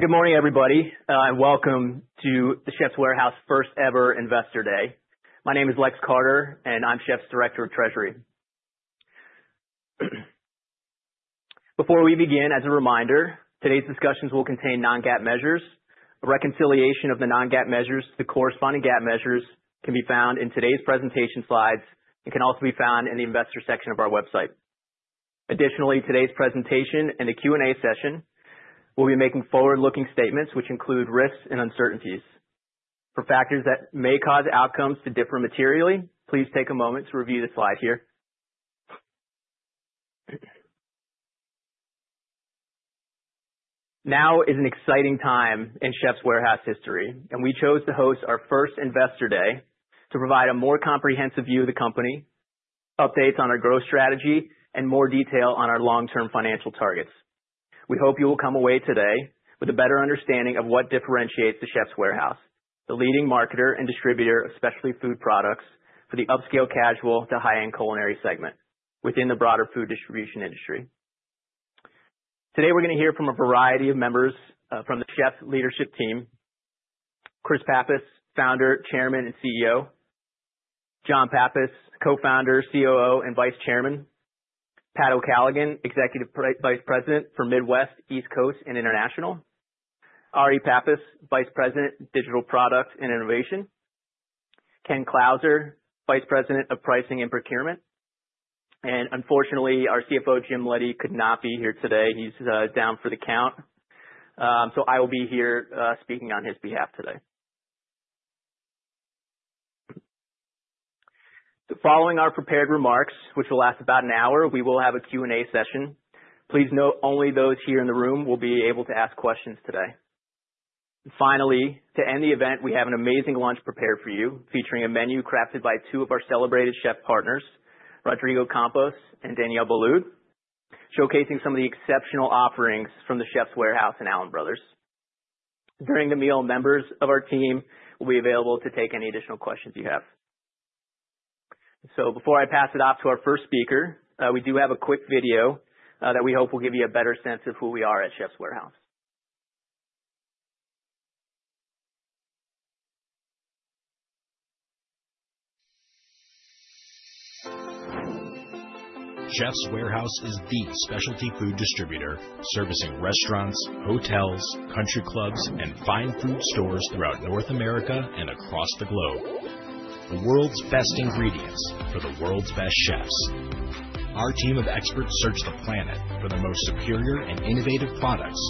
Good morning, everybody, and welcome to The Chefs' Warehouse first-ever Investor Day. My name is Lex Carter, and I'm Chefs' Director of Treasury. Before we begin, as a reminder, today's discussions will contain non-GAAP measures. A reconciliation of the non-GAAP measures to the corresponding GAAP measures can be found in today's presentation slides and can also be found in the Investor section of our website. Additionally, today's presentation and the Q&A session will be making forward-looking statements, which include risks and uncertainties. For factors that may cause outcomes to differ materially, please take a moment to review the slide here. Now is an exciting time in Chefs' Warehouse history, and we chose to host our first Investor Day to provide a more comprehensive view of the company, updates on our growth strategy, and more detail on our long-term financial targets. We hope you will come away today with a better understanding of what differentiates The Chefs' Warehouse, the leading marketer and distributor of specialty food products for the upscale casual to high-end culinary segment within the broader food distribution industry. Today, we're going to hear from a variety of members from the Chefs' leadership team: Chris Pappas, Founder, Chairman, and CEO; John Pappas, Co-founder, COO, and Vice Chairman; Pat O'Callaghan, Executive Vice President for Midwest, East Coast, and International; Ari Pappas, Vice President, Digital Product and Innovation; Ken Klauser, Vice President of Pricing and Procurement; and unfortunately, our CFO, Jim Leddy, could not be here today. He's down for the count, so I will be here speaking on his behalf today. Following our prepared remarks, which will last about an hour, we will have a Q&A session. Please note only those here in the room will be able to ask questions today. Finally, to end the event, we have an amazing lunch prepared for you, featuring a menu crafted by two of our celebrated chef partners, Rodrigo Campos and Danielle Ballou, showcasing some of the exceptional offerings from The Chefs' Warehouse and Allen Brothers. During the meal, members of our team will be available to take any additional questions you have. Before I pass it off to our first speaker, we do have a quick video that we hope will give you a better sense of who we are at The Chefs' Warehouse. Chefs' Warehouse is the specialty food distributor servicing restaurants, hotels, country clubs, and fine food stores throughout North America and across the globe. The world's best ingredients for the world's best chefs. Our team of experts search the planet for the most superior and innovative products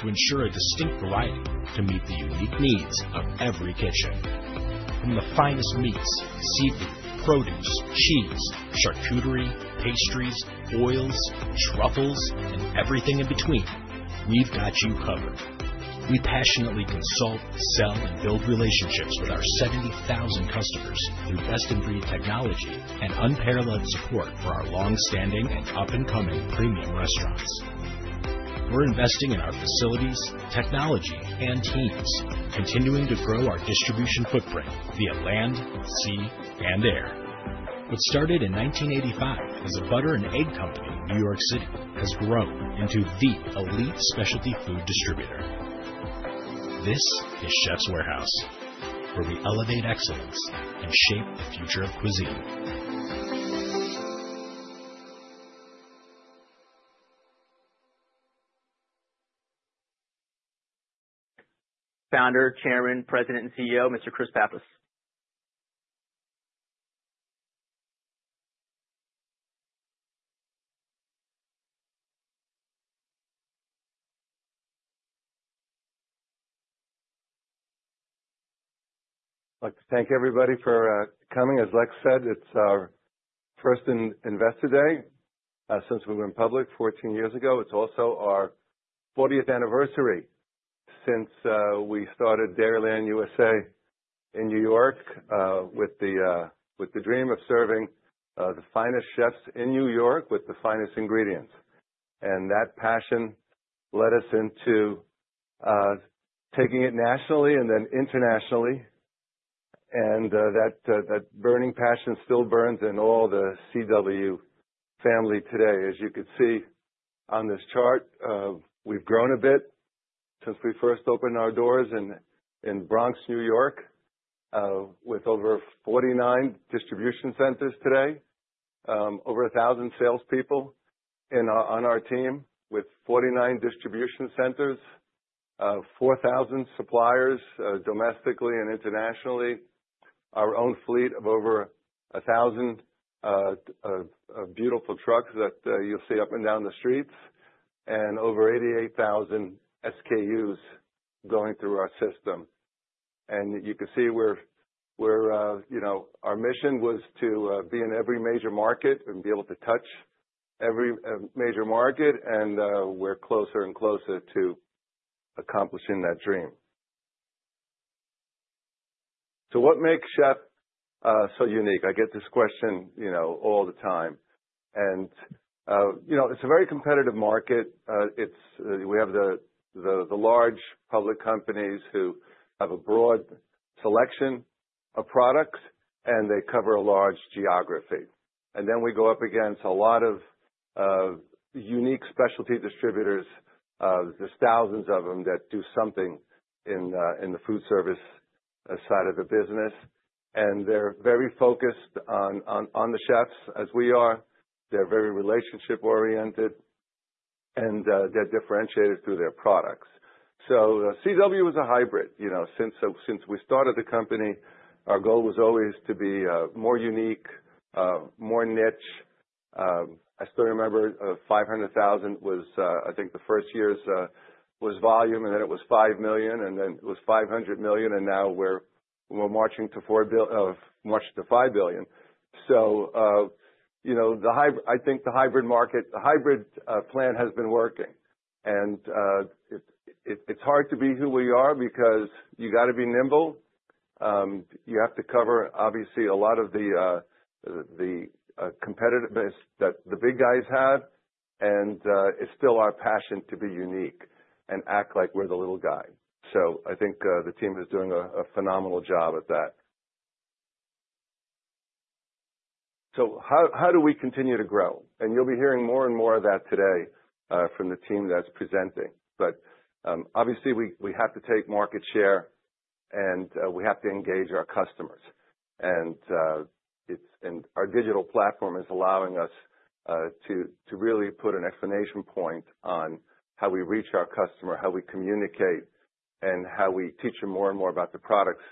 to ensure a distinct variety to meet the unique needs of every kitchen. From the finest meats, seafood, produce, cheese, charcuterie, pastries, oils, truffles, and everything in between, we've got you covered. We passionately consult, sell, and build relationships with our 70,000 customers through best-in-breed technology and unparalleled support for our long-standing and up-and-coming premium restaurants. We're investing in our facilities, technology, and teams, continuing to grow our distribution footprint via land, sea, and air. What started in 1985 as a butter and egg company in New York City has grown into the elite specialty food distributor. This is Chefs' Warehouse, where we elevate excellence and shape the future of cuisine. Founder, Chairman, President, and CEO, Mr. Chris Pappas. Thank everybody for coming. As Lex said, it's our first Investor Day since we went public 14 years ago. It's also our 40th anniversary since we started Dairyland USA in New York with the dream of serving the finest chefs in New York with the finest ingredients. That passion led us into taking it nationally and then internationally. That burning passion still burns in all the CW family today. As you could see on this chart, we've grown a bit since we first opened our doors in Bronx, New York, with over 49 distribution centers today, over 1,000 salespeople on our team with 49 distribution centers, 4,000 suppliers domestically and internationally, our own fleet of over 1,000 beautiful trucks that you'll see up and down the streets, and over 88,000 SKUs going through our system. You can see where our mission was to be in every major market and be able to touch every major market. We're closer and closer to accomplishing that dream. What makes Chef so unique? I get this question, you know, all the time. You know, it's a very competitive market. We have the large public companies who have a broad selection of products, and they cover a large geography. We go up against a lot of unique specialty distributors. There are thousands of them that do something in the food service side of the business. They're very focused on the chefs as we are. They're very relationship-oriented, and they're differentiated through their products. CW is a hybrid. You know, since we started the company, our goal was always to be more unique, more niche. I still remember $500,000 was, I think, the first year's volume, and then it was $5 million, and then it was $500 million. Now we're marching to $5 billion. You know, I think the hybrid market, the hybrid plan has been working. It's hard to be who we are because you got to be nimble. You have to cover, obviously, a lot of the competitiveness that the big guys have. It's still our passion to be unique and act like we're the little guy. I think the team is doing a phenomenal job at that. How do we continue to grow? You'll be hearing more and more of that today from the team that's presenting. Obviously, we have to take market share, and we have to engage our customers. Our digital platform is allowing us to really put an exclamation point on how we reach our customer, how we communicate, and how we teach them more and more about the products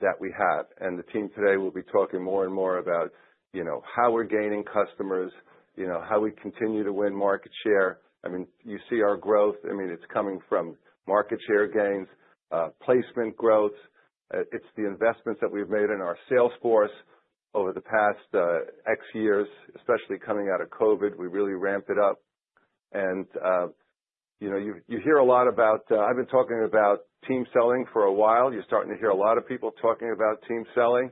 that we have. The team today will be talking more and more about, you know, how we're gaining customers, you know, how we continue to win market share. I mean, you see our growth. I mean, it's coming from market share gains, placement growth. It's the investments that we've made in our sales force over the past x years, especially coming out of COVID. We really ramped it up. You know, you hear a lot about--I've been talking about team selling for a while. You're starting to hear a lot of people talking about team selling.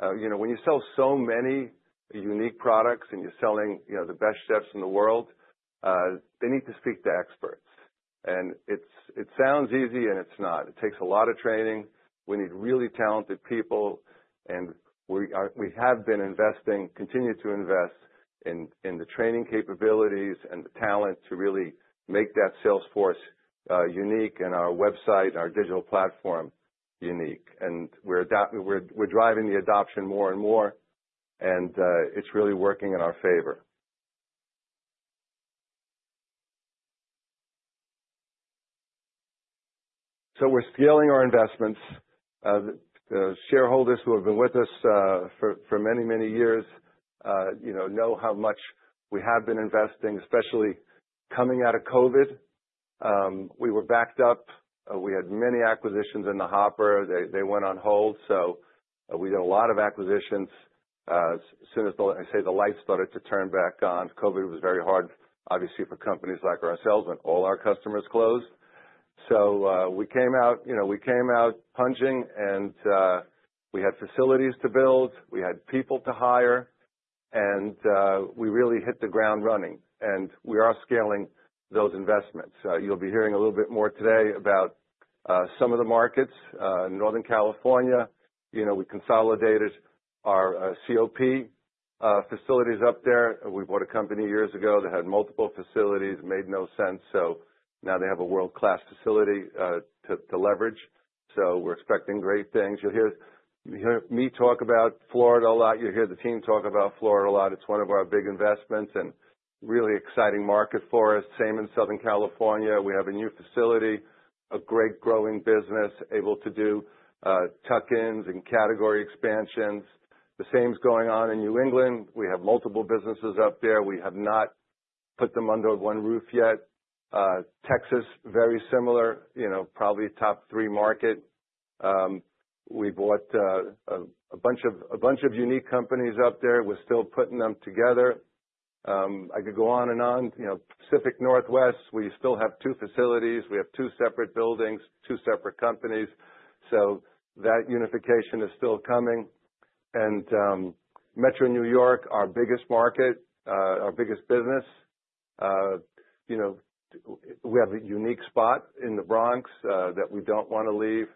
You know, when you sell so many unique products and you're selling, you know, the best chefs in the world, they need to speak to experts. It sounds easy, and it's not. It takes a lot of training. We need really talented people. We have been investing, continue to invest in the training capabilities and the talent to really make that sales force unique and our website, our digital platform unique. We're driving the adoption more and more. It's really working in our favor. We're scaling our investments. Shareholders who have been with us for many, many years, you know, know how much we have been investing, especially coming out of COVID. We were backed up. We had many acquisitions in the hopper. They went on hold. We did a lot of acquisitions. As soon as, I say, the lights started to turn back on, COVID was very hard, obviously, for companies like ourselves, when all our customers closed. We came out, you know, we came out punching, and we had facilities to build. We had people to hire. We really hit the ground running. We are scaling those investments. You'll be hearing a little bit more today about some of the markets. Northern California, you know, we consolidated our COP facilities up there. We bought a company years ago that had multiple facilities. It made no sense. Now they have a world-class facility to leverage. We're expecting great things. You'll hear me talk about Florida a lot. You'll hear the team talk about Florida a lot. It's one of our big investments and really exciting market for us. Same in Southern California. We have a new facility, a great growing business, able to do tuck-ins and category expansions. The same's going on in New England. We have multiple businesses up there. We have not put them under one roof yet. Texas, very similar, you know, probably top three market. We bought a bunch of unique companies up there. We're still putting them together. I could go on and on. You know, Pacific Northwest, we still have two facilities. We have two separate buildings, two separate companies. That unification is still coming. Metro New York, our biggest market, our biggest business, you know, we have a unique spot in the Bronx that we don't want to leave.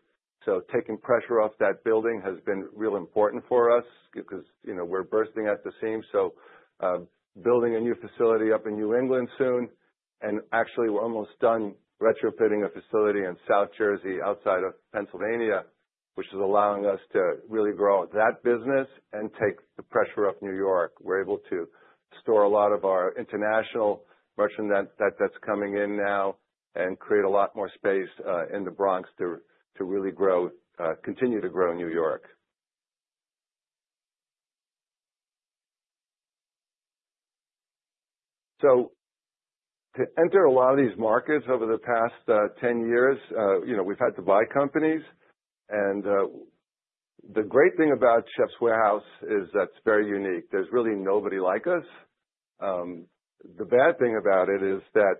Taking pressure off that building has been real important for us because, you know, we're bursting at the seams. Building a new facility up in New England soon. Actually, we're almost done retrofitting a facility in South Jersey outside of Pennsylvania, which is allowing us to really grow that business and take the pressure off New York. We're able to store a lot of our international merchant that's coming in now and create a lot more space in the Bronx to really grow, continue to grow New York. To enter a lot of these markets over the past 10 years, you know, we've had to buy companies. The great thing about Chefs' Warehouse is that's very unique. There's really nobody like us. The bad thing about it is that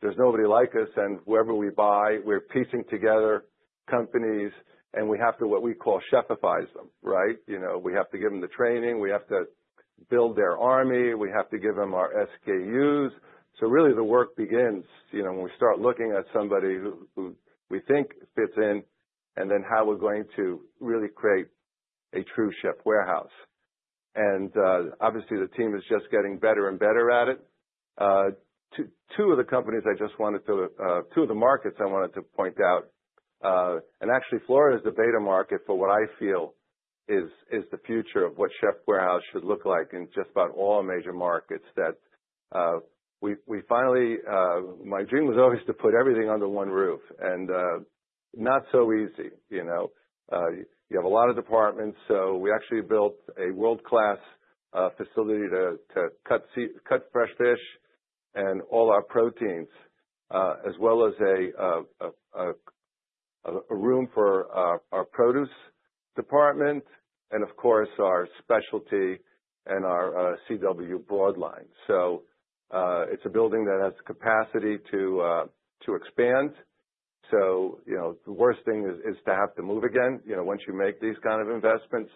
there's nobody like us. Whoever we buy, we're piecing together companies, and we have to, what we call, chef-ify them, right? You know, we have to give them the training. We have to build their army. We have to give them our SKUs. Really, the work begins, you know, when we start looking at somebody who we think fits in and then how we're going to really create a true Chefs' Warehouse. Obviously, the team is just getting better and better at it. Two of the companies I just wanted to, two of the markets I wanted to point out, actually, Florida is the beta market for what I feel is the future of what Chefs' Warehouse should look like in just about all major markets. My dream was always to put everything under one roof. Not so easy, you know. You have a lot of departments. We actually built a world-class facility to cut fresh fish and all our proteins, as well as a room for our produce department and, of course, our specialty and our CW broad line. It's a building that has the capacity to expand. You know, the worst thing is to have to move again, you know, once you make these kind of investments.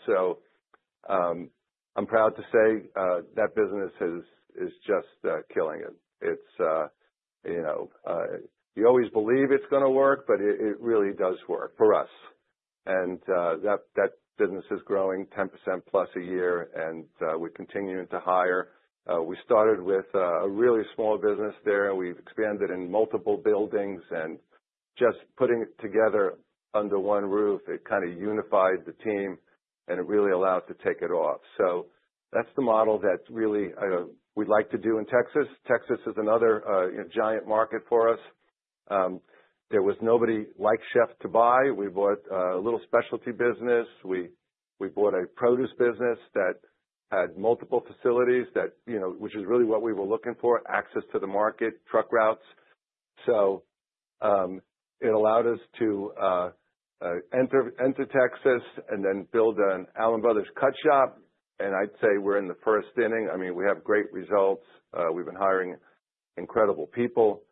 I'm proud to say that business is just killing it. You know, you always believe it's going to work, but it really does work for us. That business is growing 10% plus a year. We're continuing to hire. We started with a really small business there. We've expanded in multiple buildings. Just putting it together under one roof, it kind of unified the team, and it really allowed to take it off. That's the model that really we'd like to do in Texas. Texas is another giant market for us. There was nobody like Chef to buy. We bought a little specialty business. We bought a produce business that had multiple facilities that, you know, which is really what we were looking for: access to the market, truck routes. It allowed us to enter Texas and then build an Allen Brothers cut shop. I'd say we're in the first inning. I mean, we have great results. We've been hiring incredible people.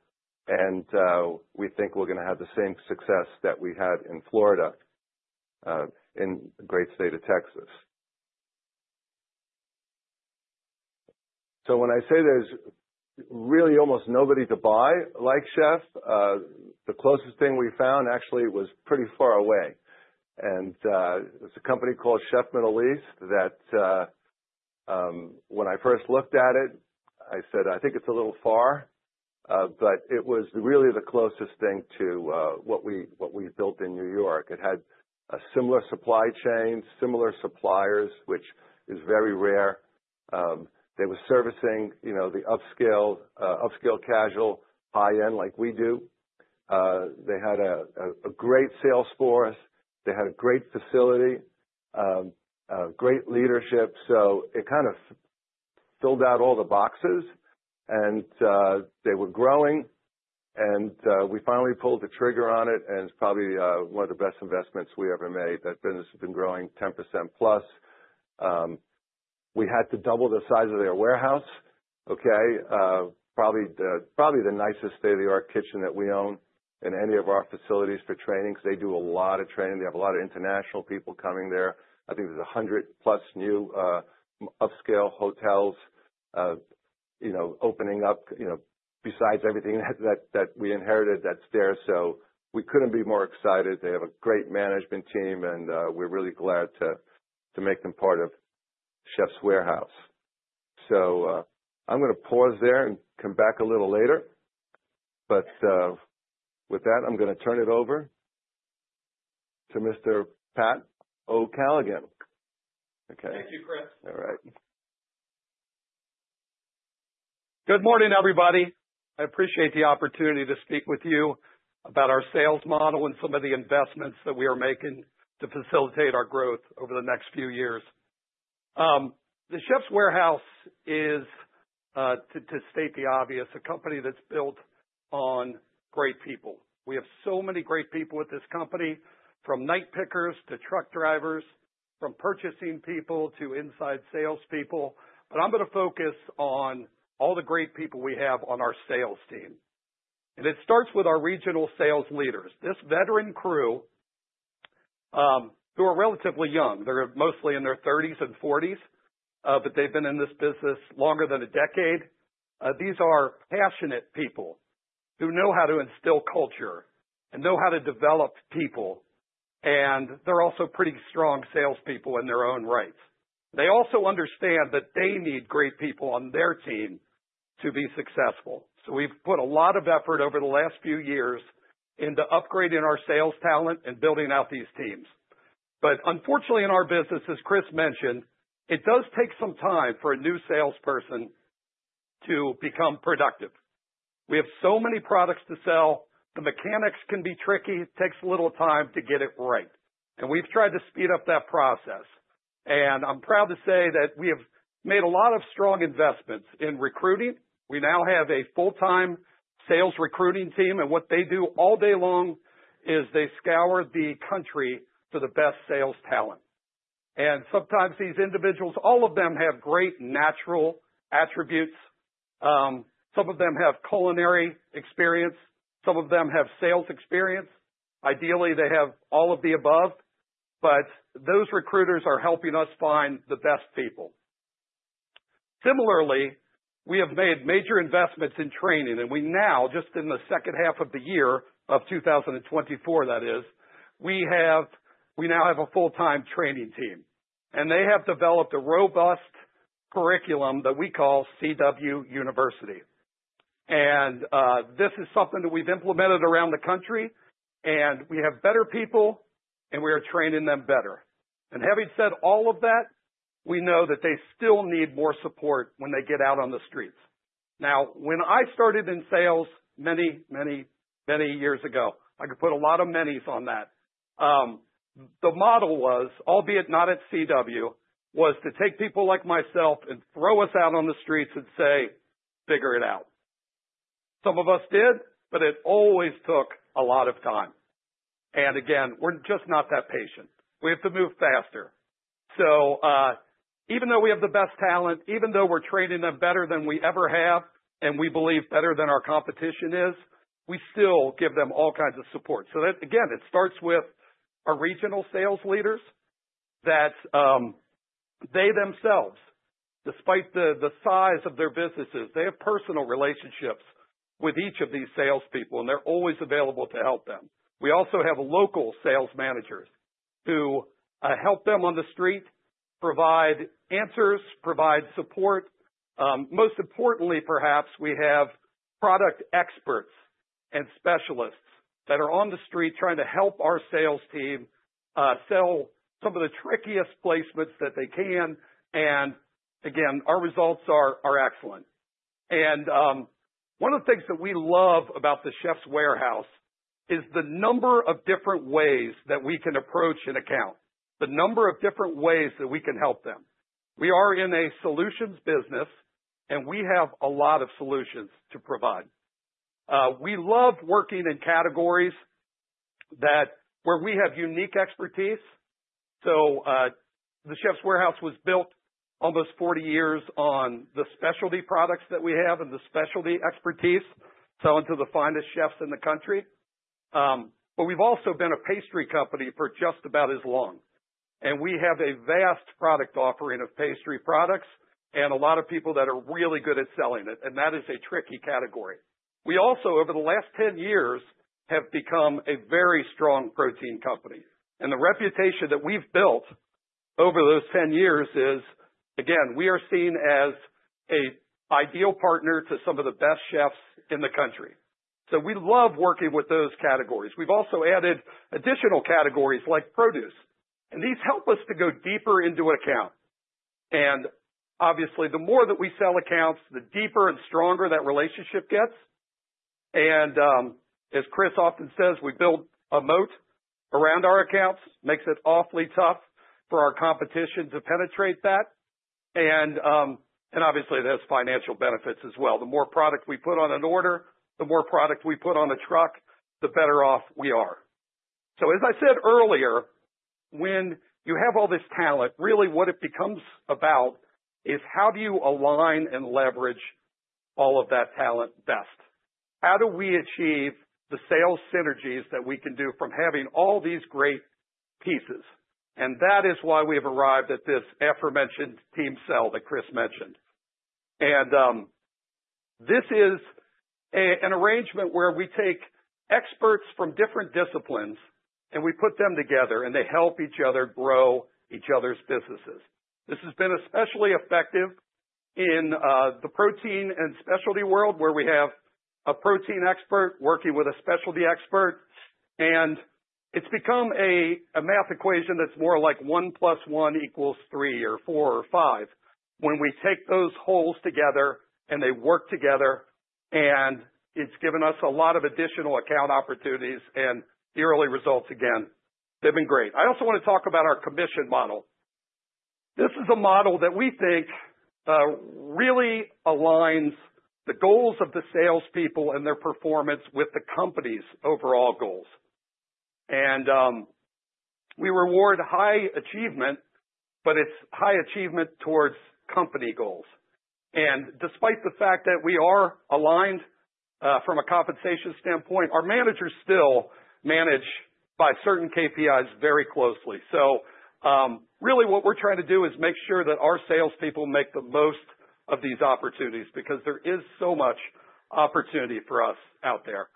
We think we're going to have the same success that we had in Florida in the great state of Texas. When I say there's really almost nobody to buy like Chef, the closest thing we found actually was pretty far away. It's a company called Chef Middle East that when I first looked at it, I said, I think it's a little far. It was really the closest thing to what we built in New York. It had a similar supply chain, similar suppliers, which is very rare. They were servicing, you know, the upscale casual high-end like we do. They had a great sales force. They had a great facility, great leadership. It kind of filled out all the boxes. They were growing. We finally pulled the trigger on it. It is probably one of the best investments we ever made. That business has been growing 10% plus. We had to double the size of their warehouse, okay? Probably the nicest state-of-the-art kitchen that we own in any of our facilities for training because they do a lot of training. They have a lot of international people coming there. I think there are 100-plus new upscale hotels, you know, opening up, you know, besides everything that we inherited that is there. We could not be more excited. They have a great management team. We're really glad to make them part of The Chefs' Warehouse. I'm going to pause there and come back a little later. With that, I'm going to turn it over to Mr. Pat O'Callaghan. Okay. All right. Good morning, everybody. I appreciate the opportunity to speak with you about our sales model and some of the investments that we are making to facilitate our growth over the next few years. The Chefs' Warehouse is, to state the obvious, a company that's built on great people. We have so many great people at this company, from night pickers to truck drivers, from purchasing people to inside salespeople. I'm going to focus on all the great people we have on our sales team. It starts with our regional sales leaders, this veteran crew who are relatively young. They're mostly in their 30s and 40s, but they've been in this business longer than a decade. These are passionate people who know how to instill culture and know how to develop people. They're also pretty strong salespeople in their own right. They also understand that they need great people on their team to be successful. We've put a lot of effort over the last few years into upgrading our sales talent and building out these teams. Unfortunately, in our business, as Chris mentioned, it does take some time for a new salesperson to become productive. We have so many products to sell. The mechanics can be tricky. It takes a little time to get it right. We've tried to speed up that process. I'm proud to say that we have made a lot of strong investments in recruiting. We now have a full-time sales recruiting team. What they do all day long is they scour the country for the best sales talent. Sometimes these individuals, all of them have great natural attributes. Some of them have culinary experience. Some of them have sales experience. Ideally, they have all of the above. Those recruiters are helping us find the best people. Similarly, we have made major investments in training. We now, just in the second half of the year of 2024, that is, we now have a full-time training team. They have developed a robust curriculum that we call CW University. This is something that we've implemented around the country. We have better people, and we are training them better. Having said all of that, we know that they still need more support when they get out on the streets. Now, when I started in sales many, many, many years ago, I could put a lot of menus on that. The model was, albeit not at CW, was to take people like myself and throw us out on the streets and say, figure it out. Some of us did, but it always took a lot of time. Again, we're just not that patient. We have to move faster. Even though we have the best talent, even though we're training them better than we ever have and we believe better than our competition is, we still give them all kinds of support. That, again, it starts with our regional sales leaders that they themselves, despite the size of their businesses, they have personal relationships with each of these salespeople, and they're always available to help them. We also have local sales managers who help them on the street, provide answers, provide support. Most importantly, perhaps, we have product experts and specialists that are on the street trying to help our sales team sell some of the trickiest placements that they can. Our results are excellent. One of the things that we love about The Chefs' Warehouse is the number of different ways that we can approach an account, the number of different ways that we can help them. We are in a solutions business, and we have a lot of solutions to provide. We love working in categories where we have unique expertise. The Chefs' Warehouse was built almost 40 years on the specialty products that we have and the specialty expertise, selling to the finest chefs in the country. We have also been a pastry company for just about as long. We have a vast product offering of pastry products and a lot of people that are really good at selling it. That is a tricky category. We also, over the last 10 years, have become a very strong protein company. The reputation that we've built over those 10 years is, again, we are seen as an ideal partner to some of the best chefs in the country. We love working with those categories. We've also added additional categories like produce. These help us to go deeper into account. Obviously, the more that we sell accounts, the deeper and stronger that relationship gets. As Chris often says, we build a moat around our accounts, makes it awfully tough for our competition to penetrate that. Obviously, there's financial benefits as well. The more product we put on an order, the more product we put on a truck, the better off we are. As I said earlier, when you have all this talent, really what it becomes about is how do you align and leverage all of that talent best? How do we achieve the sales synergies that we can do from having all these great pieces? That is why we have arrived at this aforementioned team sell that Chris mentioned. This is an arrangement where we take experts from different disciplines and we put them together, and they help each other grow each other's businesses. This has been especially effective in the protein and specialty world where we have a protein expert working with a specialty expert. It has become a math equation that is more like 1 + 1 = 3 or 4 or 5. When we take those holes together and they work together, it's given us a lot of additional account opportunities. The early results, again, they've been great. I also want to talk about our commission model. This is a model that we think really aligns the goals of the salespeople and their performance with the company's overall goals. We reward high achievement, but it's high achievement towards company goals. Despite the fact that we are aligned from a compensation standpoint, our managers still manage by certain KPIs very closely. Really what we're trying to do is make sure that our salespeople make the most of these opportunities because there is so much opportunity for us out there.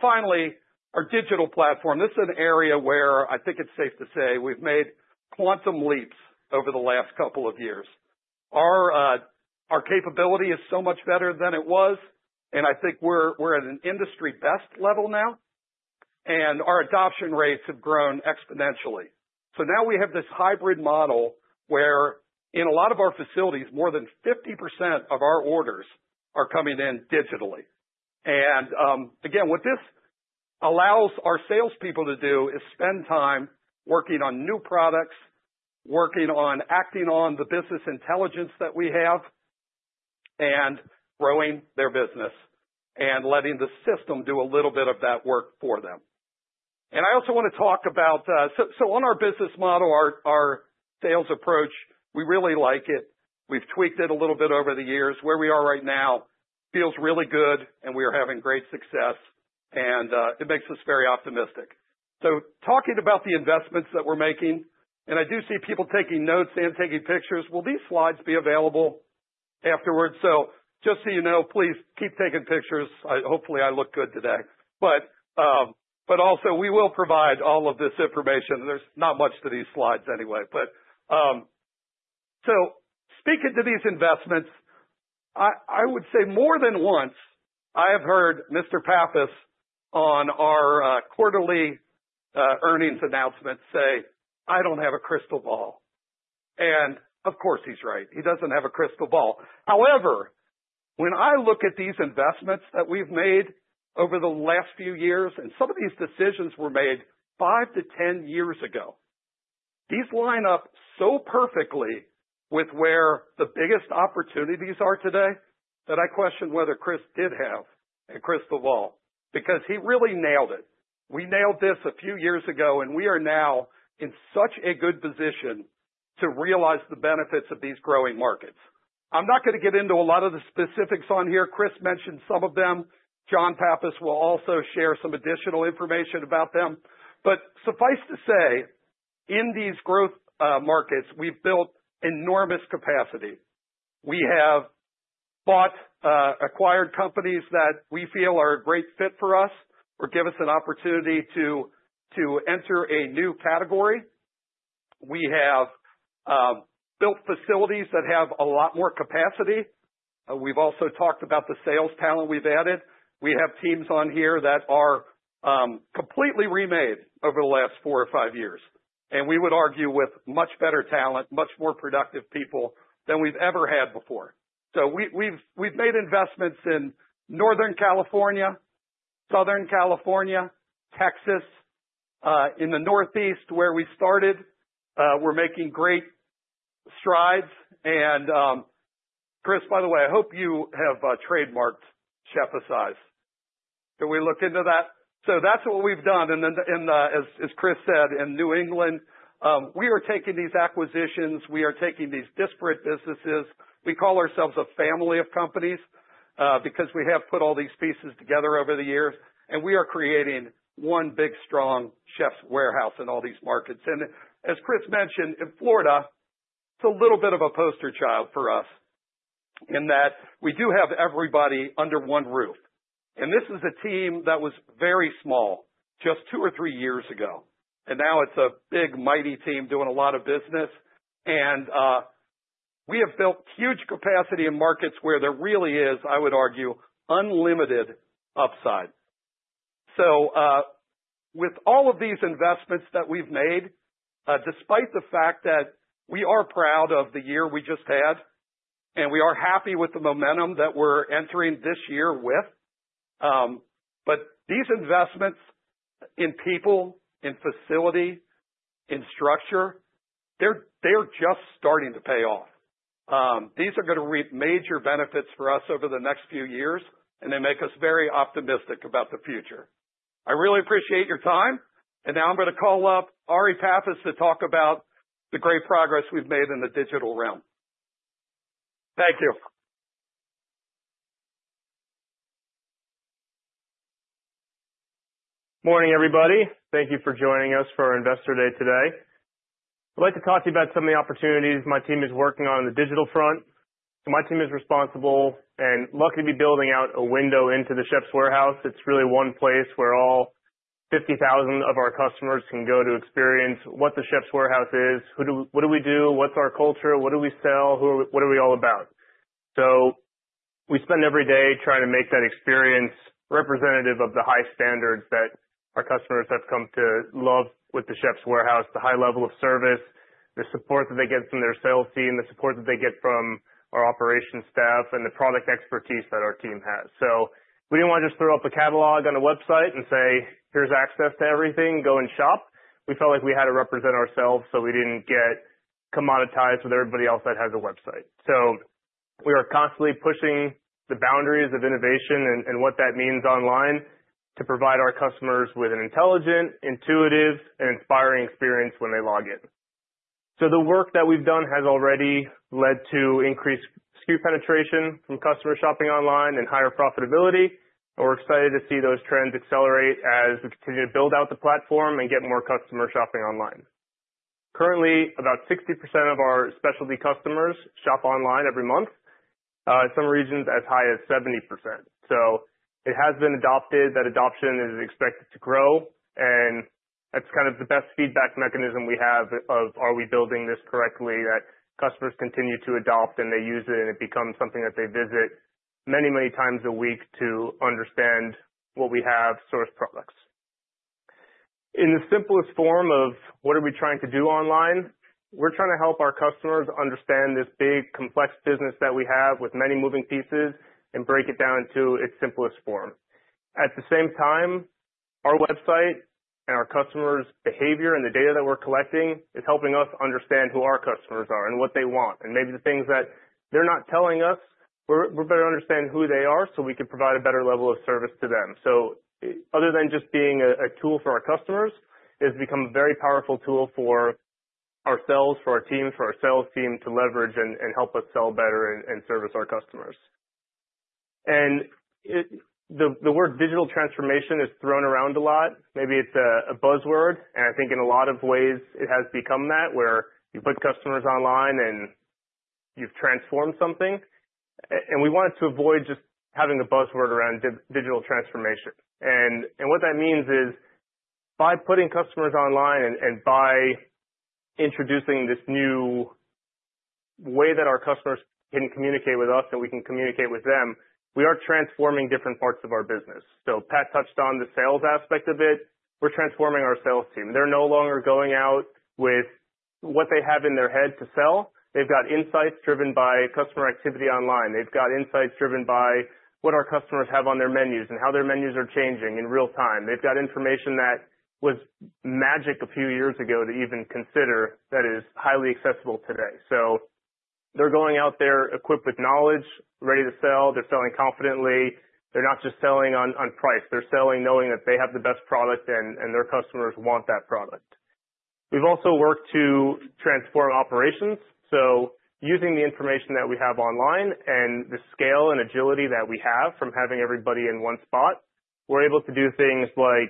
Finally, our digital platform, this is an area where I think it's safe to say we've made quantum leaps over the last couple of years. Our capability is so much better than it was. I think we're at an industry best level now. Our adoption rates have grown exponentially. Now we have this hybrid model where in a lot of our facilities, more than 50% of our orders are coming in digitally. What this allows our salespeople to do is spend time working on new products, working on acting on the business intelligence that we have, and growing their business and letting the system do a little bit of that work for them. I also want to talk about, on our business model, our sales approach, we really like it. We've tweaked it a little bit over the years. Where we are right now feels really good, and we are having great success. It makes us very optimistic. Talking about the investments that we're making, and I do see people taking notes and taking pictures. Will these slides be available afterwards? Just so you know, please keep taking pictures. Hopefully, I look good today. Also, we will provide all of this information. There's not much to these slides anyway. Speaking to these investments, I would say more than once, I have heard Mr. Pappas on our quarterly earnings announcement say, I don't have a crystal ball. Of course, he's right. He doesn't have a crystal ball. However, when I look at these investments that we've made over the last few years, and some of these decisions were made five to 10 years ago, these line up so perfectly with where the biggest opportunities are today that I question whether Chris did have a crystal ball because he really nailed it. We nailed this a few years ago, and we are now in such a good position to realize the benefits of these growing markets. I'm not going to get into a lot of the specifics on here. Chris mentioned some of them. John Pappas will also share some additional information about them. Suffice to say, in these growth markets, we've built enormous capacity. We have bought, acquired companies that we feel are a great fit for us or give us an opportunity to enter a new category. We have built facilities that have a lot more capacity. We've also talked about the sales talent we've added. We have teams on here that are completely remade over the last four or five years. We would argue with much better talent, much more productive people than we've ever had before. We've made investments in Northern California, Southern California, Texas, in the Northeast where we started. We're making great strides. Chris, by the way, I hope you have trademarked Chef's Eyes. Can we look into that? That's what we've done. As Chris said, in New England, we are taking these acquisitions. We are taking these disparate businesses. We call ourselves a family of companies because we have put all these pieces together over the years. We are creating one big strong Chefs' Warehouse in all these markets. As Chris mentioned, in Florida, it's a little bit of a poster child for us in that we do have everybody under one roof. This is a team that was very small just two or three years ago. Now it's a big, mighty team doing a lot of business. We have built huge capacity in markets where there really is, I would argue, unlimited upside. With all of these investments that we've made, despite the fact that we are proud of the year we just had, and we are happy with the momentum that we're entering this year with, these investments in people, in facility, in structure, they're just starting to pay off. These are going to reap major benefits for us over the next few years, and they make us very optimistic about the future. I really appreciate your time. Now I'm going to call up Ari Pappas to talk about the great progress we've made in the digital realm. Thank you. Morning, everybody. Thank you for joining us for our Investor Day today. I'd like to talk to you about some of the opportunities my team is working on the digital front. My team is responsible and lucky to be building out a window into The Chefs' Warehouse. It's really one place where all 50,000 of our customers can go to experience what The Chefs' Warehouse is, what do we do, what's our culture, what do we sell, what are we all about. We spend every day trying to make that experience representative of the high standards that our customers have come to love with The Chefs' Warehouse, the high level of service, the support that they get from their sales team, the support that they get from our operations staff, and the product expertise that our team has. We didn't want to just throw up a catalog on a website and say, here's access to everything, go and shop. We felt like we had to represent ourselves, so we didn't get commoditized with everybody else that has a website. We are constantly pushing the boundaries of innovation and what that means online to provide our customers with an intelligent, intuitive, and inspiring experience when they log in. The work that we've done has already led to increased SKU penetration from customers shopping online and higher profitability. We are excited to see those trends accelerate as we continue to build out the platform and get more customers shopping online. Currently, about 60% of our specialty customers shop online every month, some regions as high as 70%. It has been adopted. That adoption is expected to grow. That is kind of the best feedback mechanism we have of, are we building this correctly that customers continue to adopt and they use it, and it becomes something that they visit many, many times a week to understand what we have, source products. In the simplest form of what are we trying to do online, we're trying to help our customers understand this big, complex business that we have with many moving pieces and break it down to its simplest form. At the same time, our website and our customers' behavior and the data that we're collecting is helping us understand who our customers are and what they want. Maybe the things that they're not telling us, we're better to understand who they are so we can provide a better level of service to them. Other than just being a tool for our customers, it has become a very powerful tool for ourselves, for our team, for our sales team to leverage and help us sell better and service our customers. The word digital transformation is thrown around a lot. Maybe it's a buzzword. I think in a lot of ways, it has become that where you put customers online and you've transformed something. We wanted to avoid just having a buzzword around digital transformation. What that means is by putting customers online and by introducing this new way that our customers can communicate with us and we can communicate with them, we are transforming different parts of our business. Pat touched on the sales aspect of it. We're transforming our sales team. They're no longer going out with what they have in their head to sell. They've got insights driven by customer activity online. They've got insights driven by what our customers have on their menus and how their menus are changing in real time. They've got information that was magic a few years ago to even consider that is highly accessible today. They are going out there equipped with knowledge, ready to sell. They are selling confidently. They are not just selling on price. They are selling knowing that they have the best product and their customers want that product. We have also worked to transform operations. Using the information that we have online and the scale and agility that we have from having everybody in one spot, we are able to do things like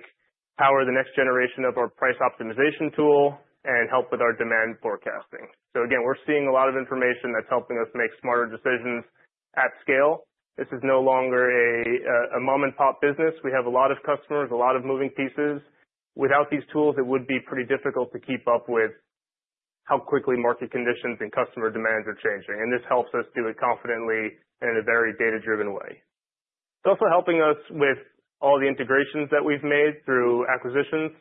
power the next generation of our price optimization tool and help with our demand forecasting. Again, we are seeing a lot of information that is helping us make smarter decisions at scale. This is no longer a mom-and-pop business. We have a lot of customers, a lot of moving pieces. Without these tools, it would be pretty difficult to keep up with how quickly market conditions and customer demands are changing. This helps us do it confidently and in a very data-driven way. It's also helping us with all the integrations that we've made through acquisitions.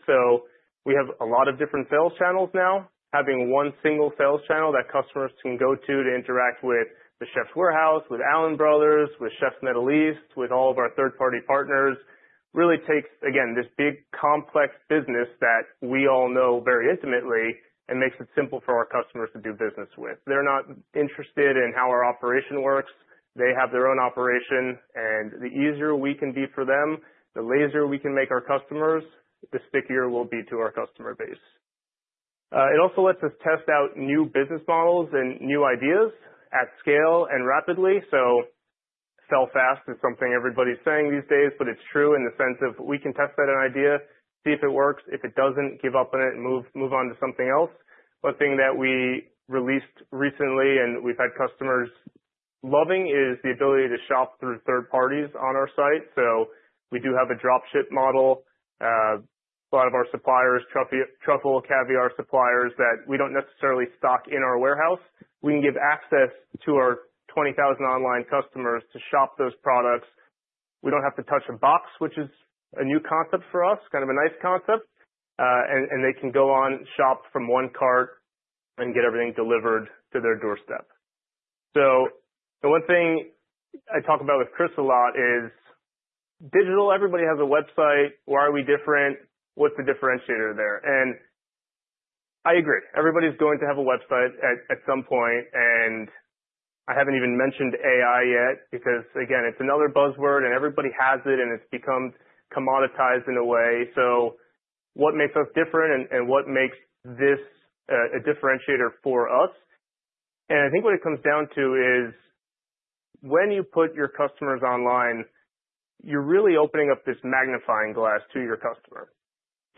We have a lot of different sales channels now. Having one single sales channel that customers can go to to interact with The Chefs' Warehouse, with Allen Brothers, with Chef Middle East, with all of our third-party partners really takes, again, this big complex business that we all know very intimately and makes it simple for our customers to do business with. They're not interested in how our operation works. They have their own operation. The easier we can be for them, the lazier we can make our customers, the stickier we'll be to our customer base. It also lets us test out new business models and new ideas at scale and rapidly. Sell fast is something everybody's saying these days, but it's true in the sense of we can test out an idea, see if it works. If it doesn't, give up on it, move on to something else. One thing that we released recently and we've had customers loving is the ability to shop through third parties on our site. We do have a dropship model. A lot of our suppliers, truffle caviar suppliers, that we don't necessarily stock in our warehouse. We can give access to our 20,000 online customers to shop those products. We don't have to touch a box, which is a new concept for us, kind of a nice concept. They can go on, shop from one cart, and get everything delivered to their doorstep. The one thing I talk about with Chris a lot is digital, everybody has a website. Why are we different? What's the differentiator there? I agree. Everybody's going to have a website at some point. I haven't even mentioned AI yet because, again, it's another buzzword, and everybody has it, and it's become commoditized in a way. What makes us different and what makes this a differentiator for us? I think what it comes down to is when you put your customers online, you're really opening up this magnifying glass to your customer.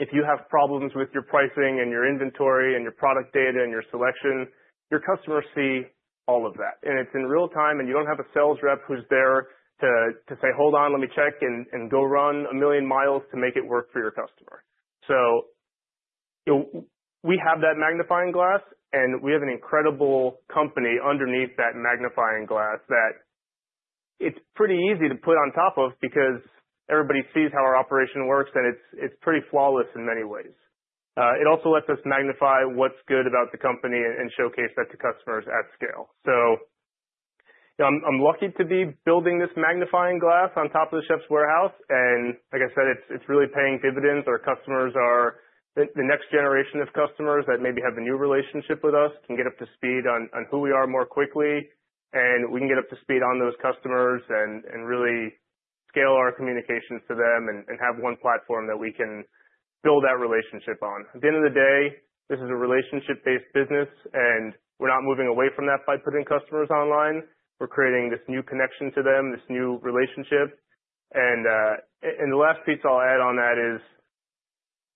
If you have problems with your pricing and your inventory and your product data and your selection, your customers see all of that. It is in real time, and you do not have a sales rep who is there to say, "Hold on, let me check and go run a million miles to make it work for your customer." We have that magnifying glass, and we have an incredible company underneath that magnifying glass that it is pretty easy to put on top of because everybody sees how our operation works, and it is pretty flawless in many ways. It also lets us magnify what is good about the company and showcase that to customers at scale. I am lucky to be building this magnifying glass on top of The Chefs' Warehouse. Like I said, it is really paying dividends. Our customers are the next generation of customers that maybe have a new relationship with us, can get up to speed on who we are more quickly, and we can get up to speed on those customers and really scale our communications to them and have one platform that we can build that relationship on. At the end of the day, this is a relationship-based business, and we're not moving away from that by putting customers online. We're creating this new connection to them, this new relationship. The last piece I'll add on that is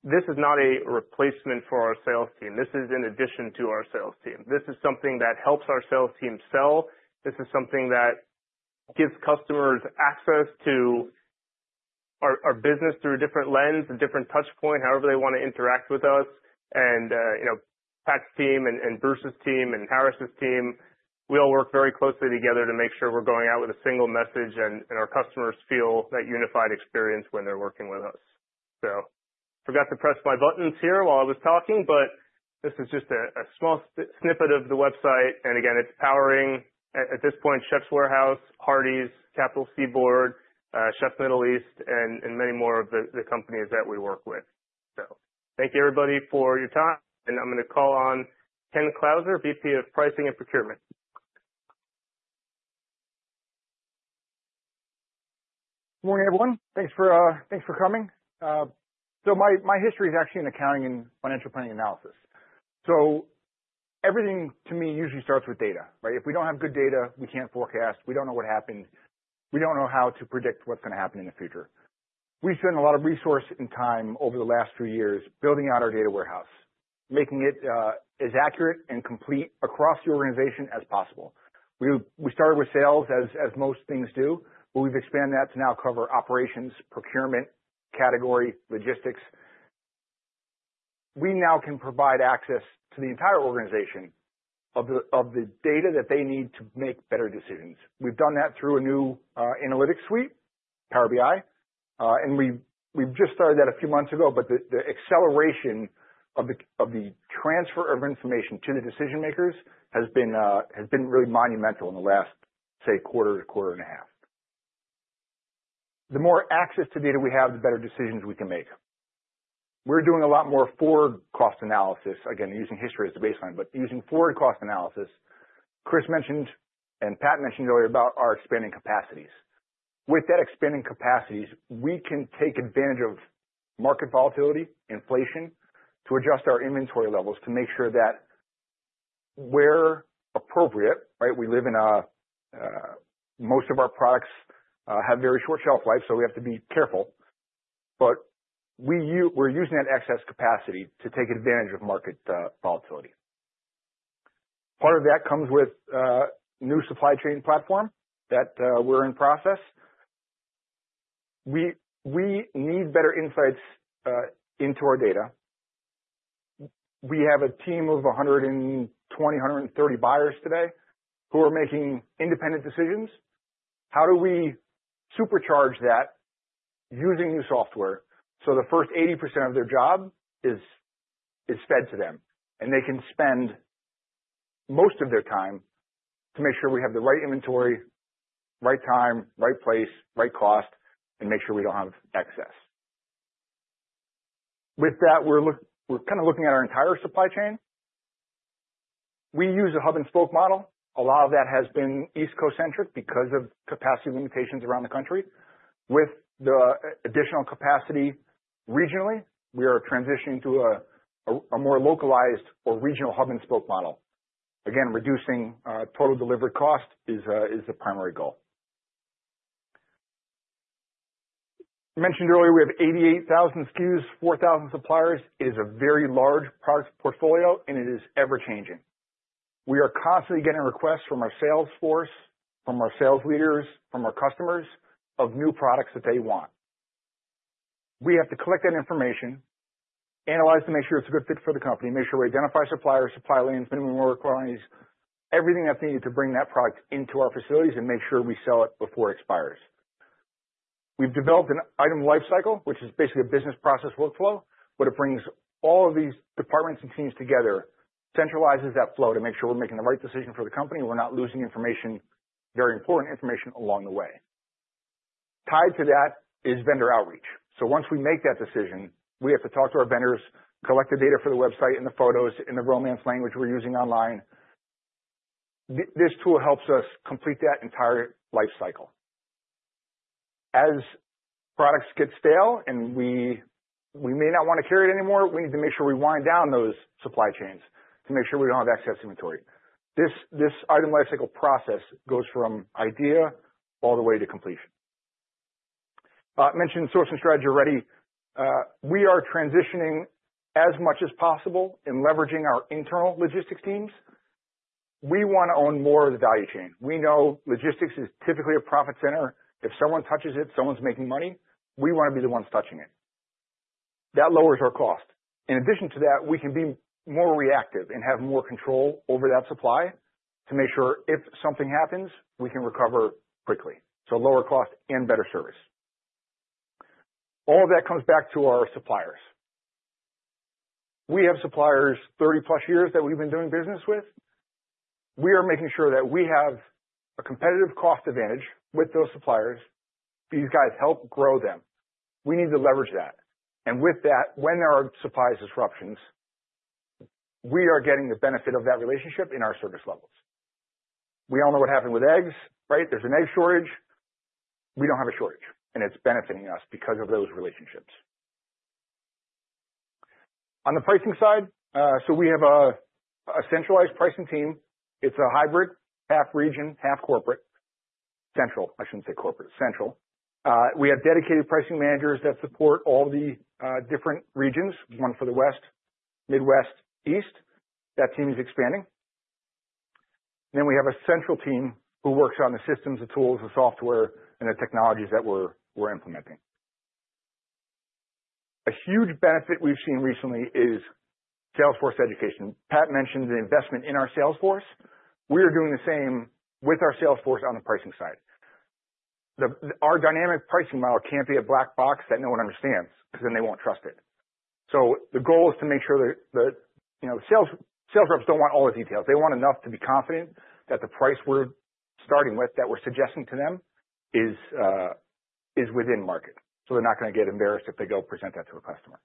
this is not a replacement for our sales team. This is in addition to our sales team. This is something that helps our sales team sell. This is something that gives customers access to our business through a different lens and different touchpoint, however they want to interact with us. Pat's team and Bruce's team and Harris's team, we all work very closely together to make sure we're going out with a single message and our customers feel that unified experience when they're working with us. I forgot to press my buttons here while I was talking, but this is just a small snippet of the website. Again, it's powering at this point, Chefs' Warehouse, Hardee's, Capital C Board, Chef Middle East, and many more of the companies that we work with. Thank you, everybody, for your time. I'm going to call on Ken Klauser, VP of Pricing and Procurement. Good morning, everyone. Thanks for coming. My history is actually in accounting and financial planning analysis. Everything to me usually starts with data, right? If we don't have good data, we can't forecast. We don't know what happened. We don't know how to predict what's going to happen in the future. We spend a lot of resource and time over the last few years building out our data warehouse, making it as accurate and complete across the organization as possible. We started with sales as most things do, but we've expanded that to now cover operations, procurement, category, logistics. We now can provide access to the entire organization of the data that they need to make better decisions. We've done that through a new analytics suite, Power BI. We just started that a few months ago, but the acceleration of the transfer of information to the decision makers has been really monumental in the last, say, quarter-to-quarter and a half. The more access to data we have, the better decisions we can make. We're doing a lot more forward cost analysis, again, using history as the baseline, but using forward cost analysis. Chris mentioned and Pat mentioned earlier about our expanding capacities. With that expanding capacities, we can take advantage of market volatility, inflation to adjust our inventory levels to make sure that where appropriate, right? We live in a most of our products have very short shelf life, so we have to be careful. We're using that excess capacity to take advantage of market volatility. Part of that comes with a new supply chain platform that we're in process. We need better insights into our data. We have a team of 120-130 buyers today who are making independent decisions. How do we supercharge that using new software so the first 80% of their job is fed to them and they can spend most of their time to make sure we have the right inventory, right time, right place, right cost, and make sure we do not have excess? With that, we are kind of looking at our entire supply chain. We use a hub-and-spoke model. A lot of that has been East Coast-centric because of capacity limitations around the country. With the additional capacity regionally, we are transitioning to a more localized or regional hub-and-spoke model. Again, reducing total delivery cost is the primary goal. Mentioned earlier, we have 88,000 SKUs, 4,000 suppliers. It is a very large product portfolio, and it is ever-changing. We are constantly getting requests from our sales force, from our sales leaders, from our customers of new products that they want. We have to collect that information, analyze to make sure it's a good fit for the company, make sure we identify suppliers, supply lanes, minimum work requirements, everything that's needed to bring that product into our facilities and make sure we sell it before it expires. We've developed an item lifecycle, which is basically a business process workflow, but it brings all of these departments and teams together, centralizes that flow to make sure we're making the right decision for the company, we're not losing information, very important information along the way. Tied to that is vendor outreach. Once we make that decision, we have to talk to our vendors, collect the data for the website and the photos in the romance language we're using online. This tool helps us complete that entire lifecycle. As products get stale and we may not want to carry it anymore, we need to make sure we wind down those supply chains to make sure we do not have excess inventory. This item lifecycle process goes from idea all the way to completion. Mentioned source and strategy already. We are transitioning as much as possible in leveraging our internal logistics teams. We want to own more of the value chain. We know logistics is typically a profit center. If someone touches it, someone's making money. We want to be the ones touching it. That lowers our cost. In addition to that, we can be more reactive and have more control over that supply to make sure if something happens, we can recover quickly. Lower cost and better service. All of that comes back to our suppliers. We have suppliers 30-plus years that we've been doing business with. We are making sure that we have a competitive cost advantage with those suppliers. These guys help grow them. We need to leverage that. With that, when there are supply disruptions, we are getting the benefit of that relationship in our service levels. We all know what happened with eggs, right? There is an egg shortage. We do not have a shortage, and it is benefiting us because of those relationships. On the pricing side, we have a centralized pricing team. It is a hybrid, half region, half central. We have dedicated pricing managers that support all the different regions, one for the West, Midwest, East. That team is expanding. We have a central team who works on the systems, the tools, the software, and the technologies that we are implementing. A huge benefit we have seen recently is Salesforce education. Pat mentioned the investment in our Salesforce. We are doing the same with our Salesforce on the pricing side. Our dynamic pricing model can't be a black box that no one understands because then they won't trust it. The goal is to make sure that the sales reps don't want all the details. They want enough to be confident that the price we're starting with that we're suggesting to them is within market. They're not going to get embarrassed if they go present that to a customer.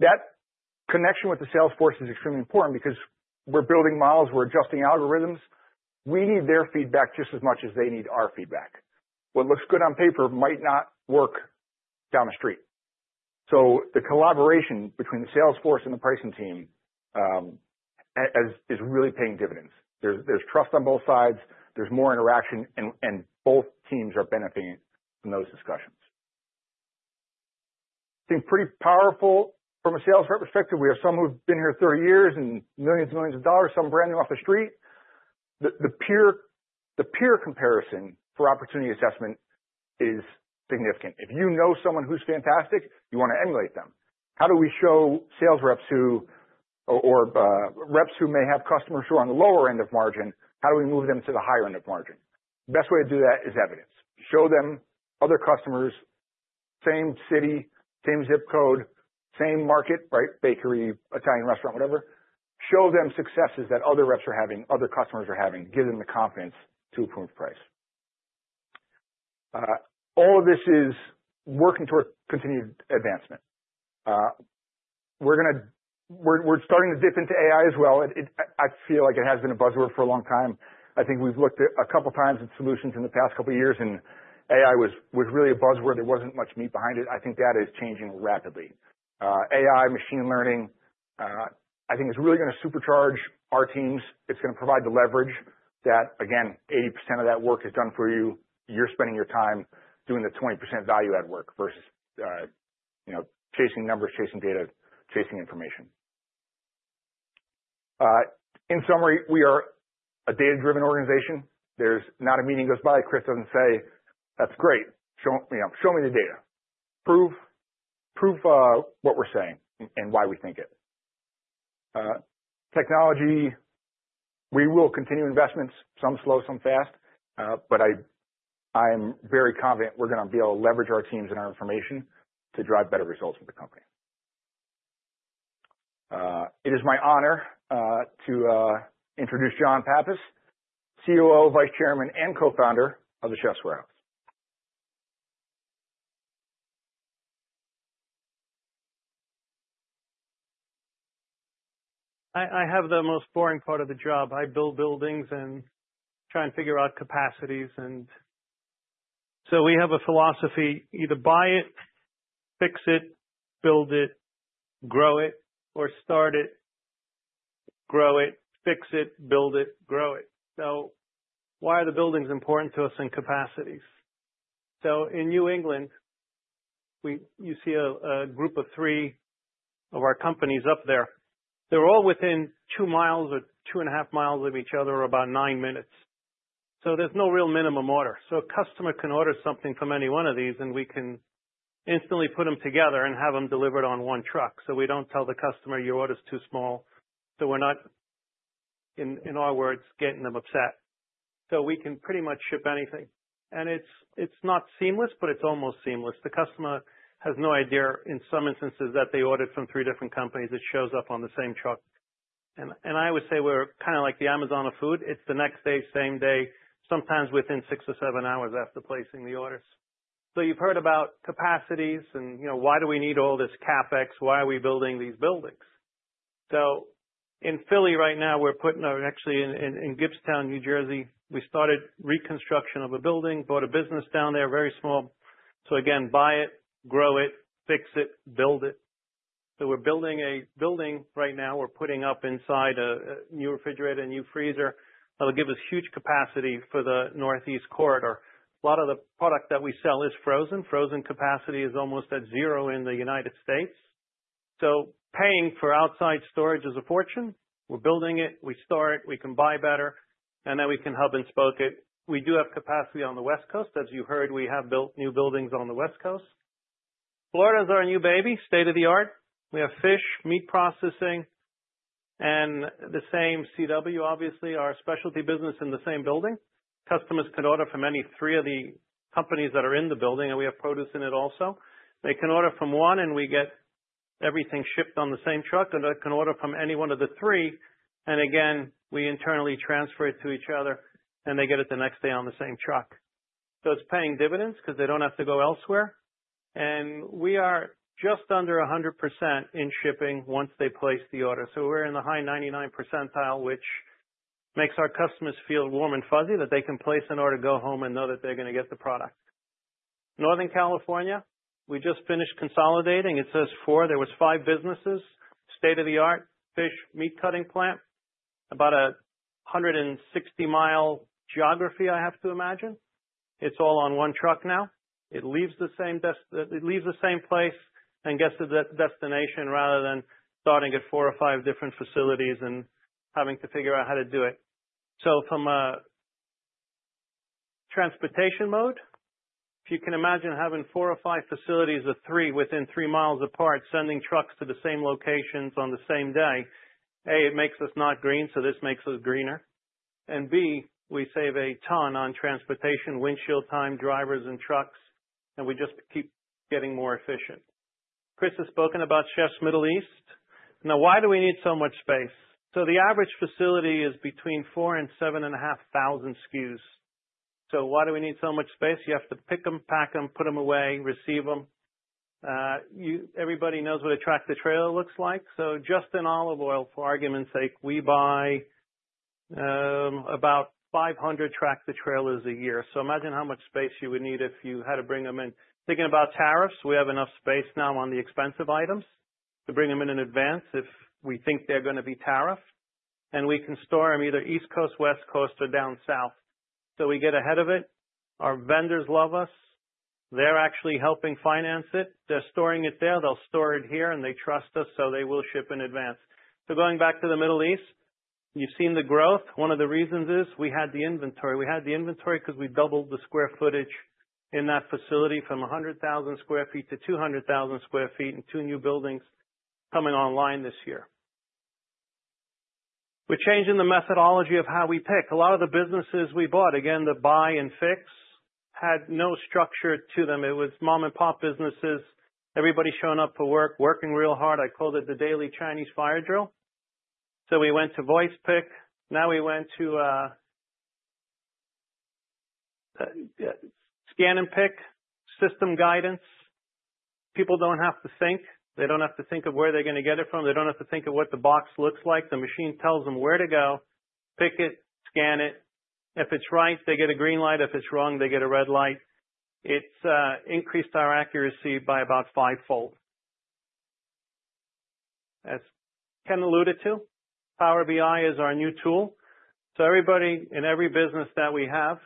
That connection with the Salesforce is extremely important because we're building models, we're adjusting algorithms. We need their feedback just as much as they need our feedback. What looks good on paper might not work down the street. The collaboration between the Salesforce and the pricing team is really paying dividends. There's trust on both sides. There's more interaction, and both teams are benefiting from those discussions. I think pretty powerful from a sales rep perspective. We have some who've been here 30 years and millions and millions of dollars, some brand new off the street. The peer comparison for opportunity assessment is significant. If you know someone who's fantastic, you want to emulate them. How do we show sales reps or reps who may have customers who are on the lower end of margin? How do we move them to the higher end of margin? The best way to do that is evidence. Show them other customers, same city, same zip code, same market, right? Bakery, Italian restaurant, whatever. Show them successes that other reps are having, other customers are having, give them the confidence to approve price. All of this is working toward continued advancement. We're starting to dip into AI as well. I feel like it has been a buzzword for a long time. I think we've looked at a couple of times at solutions in the past couple of years, and AI was really a buzzword. There wasn't much meat behind it. I think that is changing rapidly. AI, machine learning, I think it's really going to supercharge our teams. It's going to provide the leverage that, again, 80% of that work is done for you. You're spending your time doing the 20% value-add work versus chasing numbers, chasing data, chasing information. In summary, we are a data-driven organization. There's not a meeting goes by, Chris doesn't say, "That's great. Show me the data." Prove what we're saying and why we think it. Technology, we will continue investments, some slow, some fast, but I am very confident we're going to be able to leverage our teams and our information to drive better results for the company. It is my honor to introduce John Pappas, COO, Vice Chairman, and Co-founder of The Chefs' Warehouse. I have the most boring part of the job. I build buildings and try and figure out capacities. We have a philosophy: either buy it, fix it, build it, grow it, or start it, grow it, fix it, build it, grow it. Why are the buildings important to us in capacities? In New England, you see a group of three of our companies up there. They're all within two miles or two and a half miles of each other or about nine minutes. There's no real minimum order. A customer can order something from any one of these, and we can instantly put them together and have them delivered on one truck. We do not tell the customer, "Your order is too small." We are not, in our words, getting them upset. We can pretty much ship anything. It is not seamless, but it is almost seamless. The customer has no idea in some instances that they ordered from three different companies. It shows up on the same truck. I would say we are kind of like the Amazon of food. It is the next day, same day, sometimes within six or seven hours after placing the orders. You have heard about capacities and why do we need all this CapEx? Why are we building these buildings? In Philly right now, we're putting our actually in Gibbstown, New Jersey, we started reconstruction of a building, bought a business down there, very small. Again, buy it, grow it, fix it, build it. We're building a building right now. We're putting up inside a new refrigerator, a new freezer that will give us huge capacity for the Northeast Corridor. A lot of the product that we sell is frozen. Frozen capacity is almost at zero in the United States. Paying for outside storage is a fortune. We're building it. We store it. We can buy better, and then we can hub and spoke it. We do have capacity on the West Coast. As you heard, we have built new buildings on the West Coast. Florida is our new baby, state of the art. We have fish, meat processing, and the same CW, obviously, our specialty business in the same building. Customers can order from any three of the companies that are in the building, and we have produce in it also. They can order from one, we get everything shipped on the same truck, and they can order from any one of the three. We internally transfer it to each other, and they get it the next day on the same truck. It is paying dividends because they do not have to go elsewhere. We are just under 100% in shipping once they place the order. We are in the high 99% percentile, which makes our customers feel warm and fuzzy that they can place an order, go home, and know that they are going to get the product. Northern California, we just finished consolidating. It says four. There were five businesses, state of the art, fish, meat cutting plant, about a 160-mile geography, I have to imagine. It's all on one truck now. It leaves the same place. It leaves the same place and gets to the destination rather than starting at four or five different facilities and having to figure out how to do it. From a transportation mode, if you can imagine having four or five facilities of three within three miles apart, sending trucks to the same locations on the same day, A, it makes us not green, so this makes us greener. B, we save a ton on transportation, windshield time, drivers, and trucks, and we just keep getting more efficient. Chris has spoken about Chef Middle East. Now, why do we need so much space? The average facility is between 4,000 and 7,500 SKUs. Why do we need so much space? You have to pick them, pack them, put them away, receive them. Everybody knows what a tractor trailer looks like. Just in olive oil, for argument's sake, we buy about 500 tractor trailers a year. Imagine how much space you would need if you had to bring them in. Thinking about tariffs, we have enough space now on the expensive items to bring them in advance if we think they're going to be tariffed. We can store them either East Coast, West Coast, or down south. We get ahead of it. Our vendors love us. They're actually helping finance it. They're storing it there. They'll store it here, and they trust us, so they will ship in advance. Going back to the Middle East, you've seen the growth. One of the reasons is we had the inventory. We had the inventory because we doubled the square footage in that facility from 100,000 sq ft to 200,000 sq ft and two new buildings coming online this year. We're changing the methodology of how we pick. A lot of the businesses we bought, again, the buy and fix, had no structure to them. It was mom-and-pop businesses, everybody showing up for work, working real hard. I called it the daily Chinese fire drill. We went to voice pick. Now we went to scan and pick, system guidance. People don't have to think. They don't have to think of where they're going to get it from. They don't have to think of what the box looks like. The machine tells them where to go. Pick it, scan it. If it's right, they get a green light. If it's wrong, they get a red light. It's increased our accuracy by about five-fold. As Ken alluded to, Power BI is our new tool. Everybody in every business that we have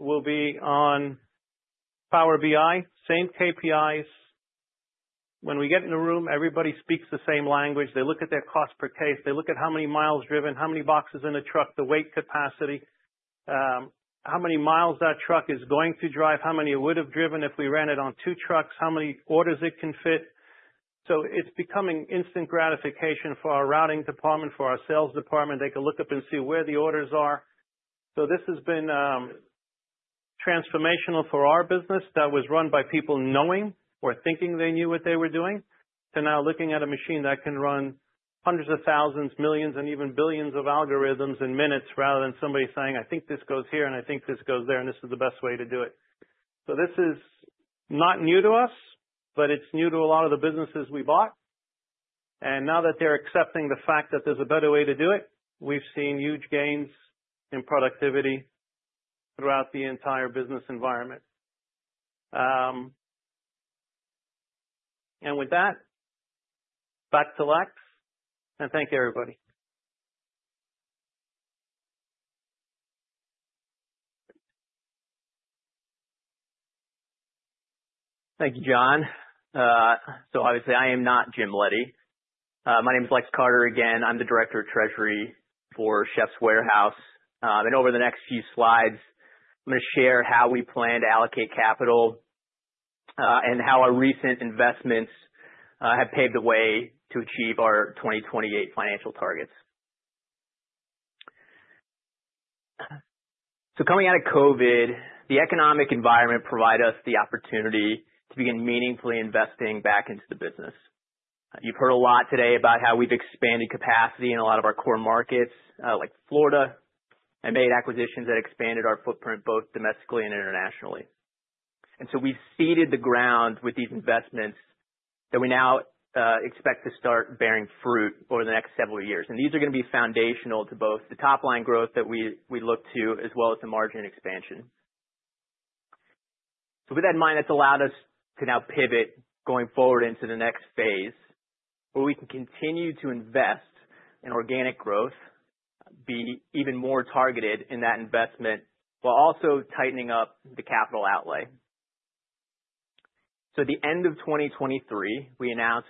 will be on Power BI, same KPIs. When we get in the room, everybody speaks the same language. They look at their cost per case. They look at how many miles driven, how many boxes in a truck, the weight capacity, how many miles that truck is going to drive, how many it would have driven if we ran it on two trucks, how many orders it can fit. It's becoming instant gratification for our routing department, for our sales department. They can look up and see where the orders are. This has been transformational for our business that was run by people knowing or thinking they knew what they were doing to now looking at a machine that can run hundreds of thousands, millions, and even billions of algorithms in minutes rather than somebody saying, "I think this goes here, and I think this goes there, and this is the best way to do it." This is not new to us, but it's new to a lot of the businesses we bought. Now that they're accepting the fact that there's a better way to do it, we've seen huge gains in productivity throughout the entire business environment. With that, back to Lex. Thank you, everybody. Thank you, John. Obviously, I am not Jim Leddy. My name is Lex Carter again. I'm the Director of Treasury for Chefs' Warehouse. Over the next few slides, I'm going to share how we plan to allocate capital and how our recent investments have paved the way to achieve our 2028 financial targets. Coming out of COVID, the economic environment provided us the opportunity to begin meaningfully investing back into the business. You've heard a lot today about how we've expanded capacity in a lot of our core markets like Florida and made acquisitions that expanded our footprint both domestically and internationally. We have seeded the ground with these investments that we now expect to start bearing fruit over the next several years. These are going to be foundational to both the top-line growth that we look to as well as the margin expansion. With that in mind, that's allowed us to now pivot going forward into the next phase where we can continue to invest in organic growth, be even more targeted in that investment while also tightening up the capital outlay. At the end of 2023, we announced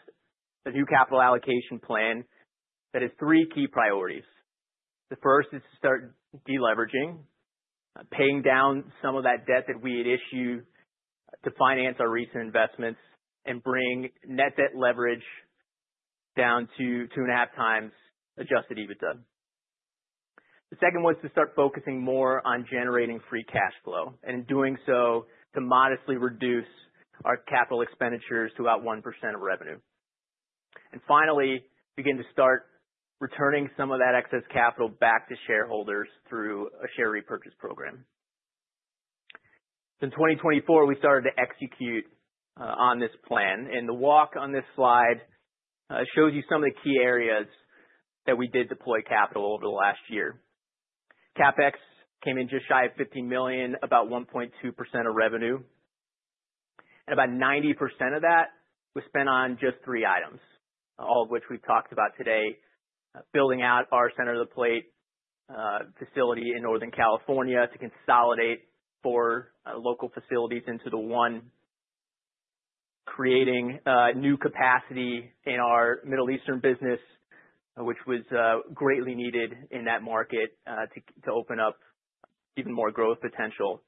a new capital allocation plan that has three key priorities. The first is to start deleveraging, paying down some of that debt that we had issued to finance our recent investments and bring net debt leverage down to 2.5x adjusted EBITDA. The second was to start focusing more on generating free cash flow and in doing so to modestly reduce our capital expenditures to about 1% of revenue. Finally, begin to start returning some of that excess capital back to shareholders through a share repurchase program. In 2024, we started to execute on this plan. The walk on this slide shows you some of the key areas that we did deploy capital over the last year. CapEx came in just shy of $15 million, about 1.2% of revenue. About 90% of that was spent on just three items, all of which we've talked about today: building out our center-of-the-plate facility in Northern California to consolidate four local facilities into the one, creating new capacity in our Middle Eastern business, which was greatly needed in that market to open up even more growth potential,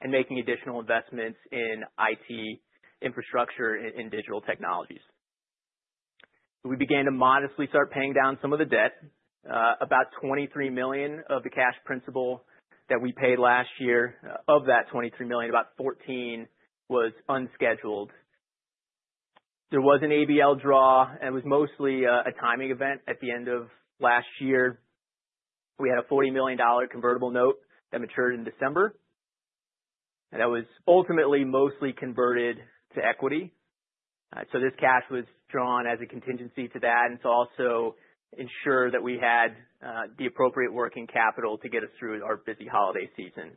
and making additional investments in IT infrastructure and digital technologies. We began to modestly start paying down some of the debt. About $23 million of the cash principal that we paid last year, of that $23 million, about $14 million was unscheduled. There was an ABL draw, and it was mostly a timing event at the end of last year. We had a $40 million convertible note that matured in December. That was ultimately mostly converted to equity. This cash was drawn as a contingency to that and to also ensure that we had the appropriate working capital to get us through our busy holiday season.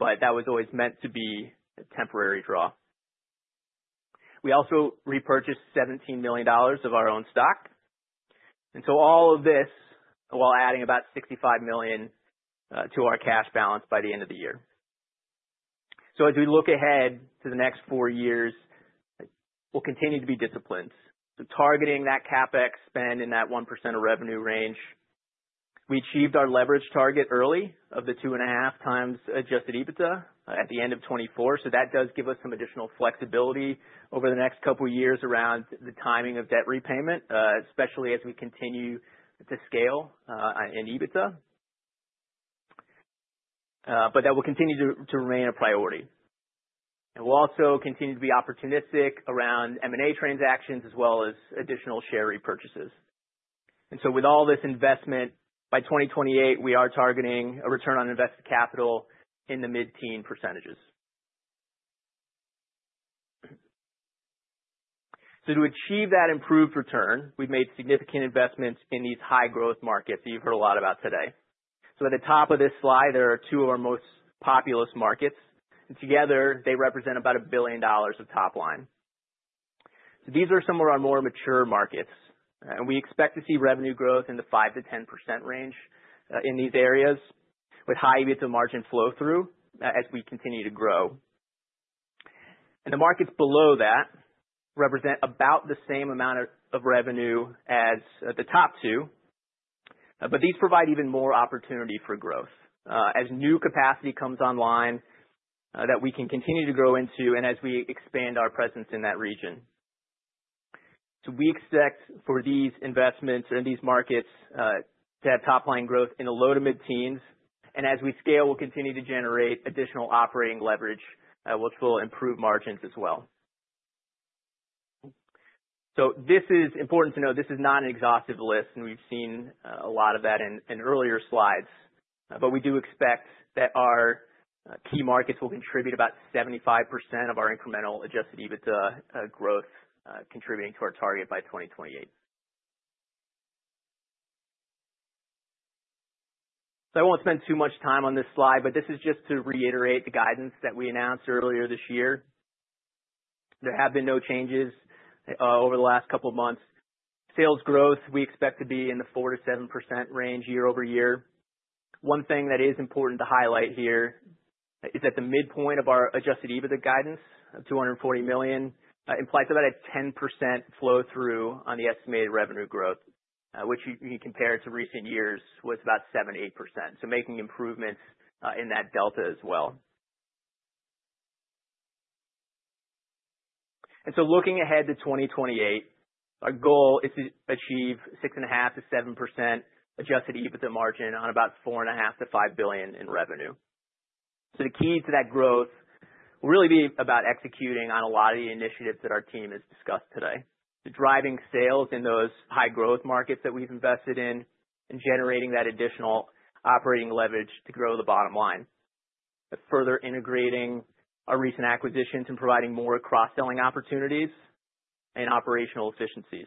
That was always meant to be a temporary draw. We also repurchased $17 million of our own stock. All of this while adding about $65 million to our cash balance by the end of the year. As we look ahead to the next four years, we'll continue to be disciplined. Targeting that CapEx spend in that 1% of revenue range, we achieved our leverage target early of the 2.5x adjusted EBITDA at the end of 2024. That does give us some additional flexibility over the next couple of years around the timing of debt repayment, especially as we continue to scale in EBITDA. That will continue to remain a priority. We'll also continue to be opportunistic around M&A transactions as well as additional share repurchases. With all this investment, by 2028, we are targeting a return on invested capital in the mid-teen percentages. To achieve that improved return, we've made significant investments in these high-growth markets that you've heard a lot about today. At the top of this slide, there are two of our most populous markets. Together, they represent about $1 billion of top line. These are some of our more mature markets. We expect to see revenue growth in the 5%-10% range in these areas with high EBITDA margin flow-through as we continue to grow. The markets below that represent about the same amount of revenue as the top two. These provide even more opportunity for growth as new capacity comes online that we can continue to grow into and as we expand our presence in that region. We expect for these investments and these markets to have top-line growth in the low to mid-teens. As we scale, we'll continue to generate additional operating leverage, which will improve margins as well. This is important to know. This is not an exhaustive list, and we've seen a lot of that in earlier slides. We do expect that our key markets will contribute about 75% of our incremental adjusted EBITDA growth contributing to our target by 2028. I won't spend too much time on this slide, but this is just to reiterate the guidance that we announced earlier this year. There have been no changes over the last couple of months. Sales growth, we expect to be in the 4%-7% range year-over-year. One thing that is important to highlight here is that the midpoint of our adjusted EBITDA guidance of $240 million implies about a 10% flow-through on the estimated revenue growth, which you can compare to recent years was about 7%, 8%. Making improvements in that delta as well. Looking ahead to 2028, our goal is to achieve 6.5%-7% adjusted EBITDA margin on about $4.5 billion-$5 billion in revenue. The key to that growth will really be about executing on a lot of the initiatives that our team has discussed today, driving sales in those high-growth markets that we've invested in, and generating that additional operating leverage to grow the bottom line, further integrating our recent acquisitions and providing more cross-selling opportunities and operational efficiencies,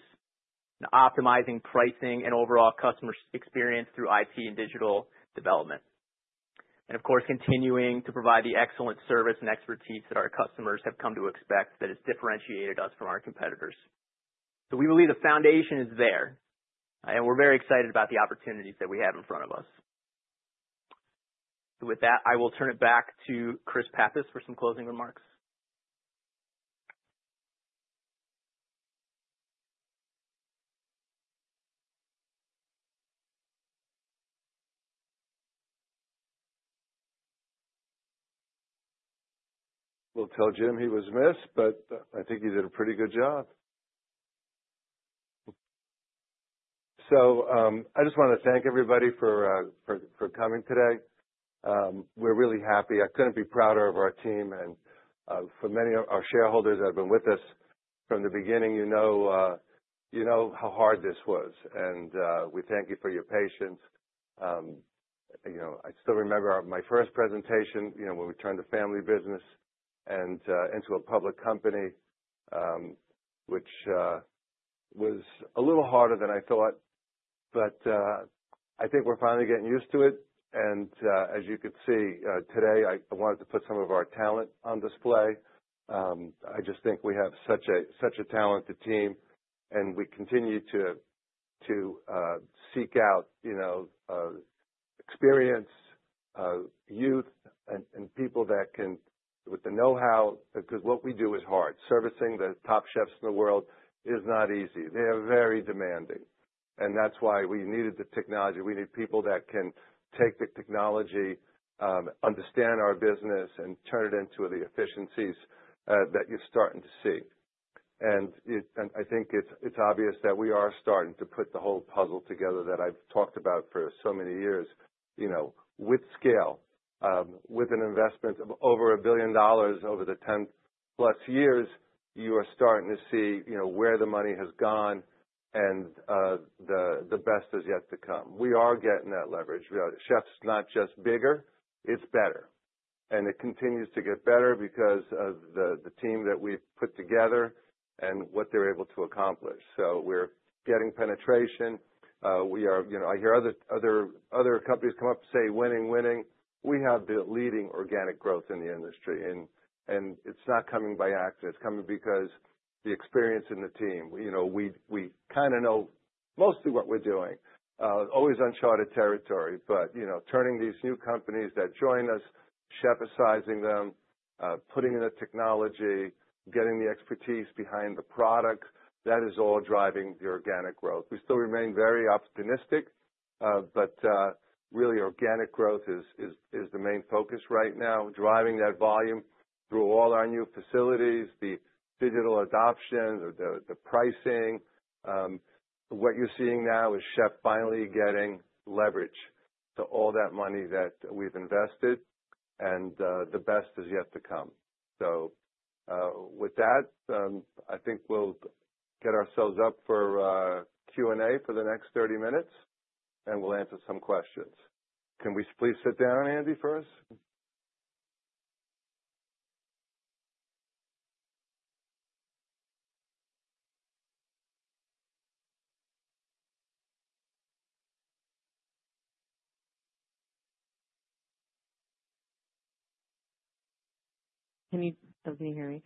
and optimizing pricing and overall customer experience through IT and digital development. Of course, continuing to provide the excellent service and expertise that our customers have come to expect that has differentiated us from our competitors. We believe the foundation is there, and we're very excited about the opportunities that we have in front of us. With that, I will turn it back to Chris Pappas for some closing remarks. We'll tell Jim he was missed, but I think he did a pretty good job. I just want to thank everybody for coming today. We're really happy. I couldn't be prouder of our team. For many of our shareholders that have been with us from the beginning, you know how hard this was. We thank you for your patience. I still remember my first presentation when we turned the family business into a public company, which was a little harder than I thought. I think we're finally getting used to it. As you could see today, I wanted to put some of our talent on display. I just think we have such a talented team, and we continue to seek out experience, youth, and people that can with the know-how because what we do is hard. Servicing the top chefs in the world is not easy. They are very demanding. That is why we needed the technology. We need people that can take the technology, understand our business, and turn it into the efficiencies that you are starting to see. I think it is obvious that we are starting to put the whole puzzle together that I have talked about for so many years with scale. With an investment of over $1 billion over the 10-plus years, you are starting to see where the money has gone and the best is yet to come. We are getting that leverage. Chefs' is not just bigger, it is better. It continues to get better because of the team that we have put together and what they are able to accomplish. We are getting penetration. I hear other companies come up and say, "Winning, winning." We have the leading organic growth in the industry. And it is not coming by accident. It is coming because of the experience in the team. We kind of know mostly what we are doing, always uncharted territory. Turning these new companies that join us, Chef-sizing them, putting in the technology, getting the expertise behind the product, that is all driving the organic growth. We still remain very optimistic, but really, organic growth is the main focus right now, driving that volume through all our new facilities, the digital adoption, the pricing. What you are seeing now is Chef finally getting leverage to all that money that we have invested, and the best is yet to come. With that, I think we will get ourselves up for Q&A for the next 30 minutes, and we will answer some questions. Can we please sit down, Andy, first? Can you? Doesn't hear me.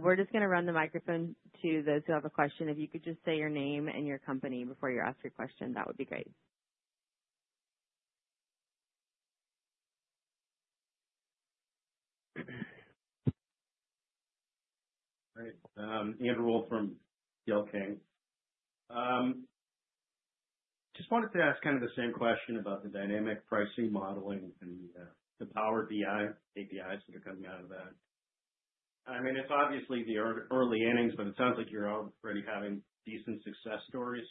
We're just going to run the microphone to those who have a question. If you could just say your name and your company before you ask your question, that would be great. Right. Andrew Wolf from C.L. King. Just wanted to ask kind of the same question about the dynamic pricing modeling and the Power BI, APIs that are coming out of that. I mean, it's obviously the early innings, but it sounds like you're already having decent success stories.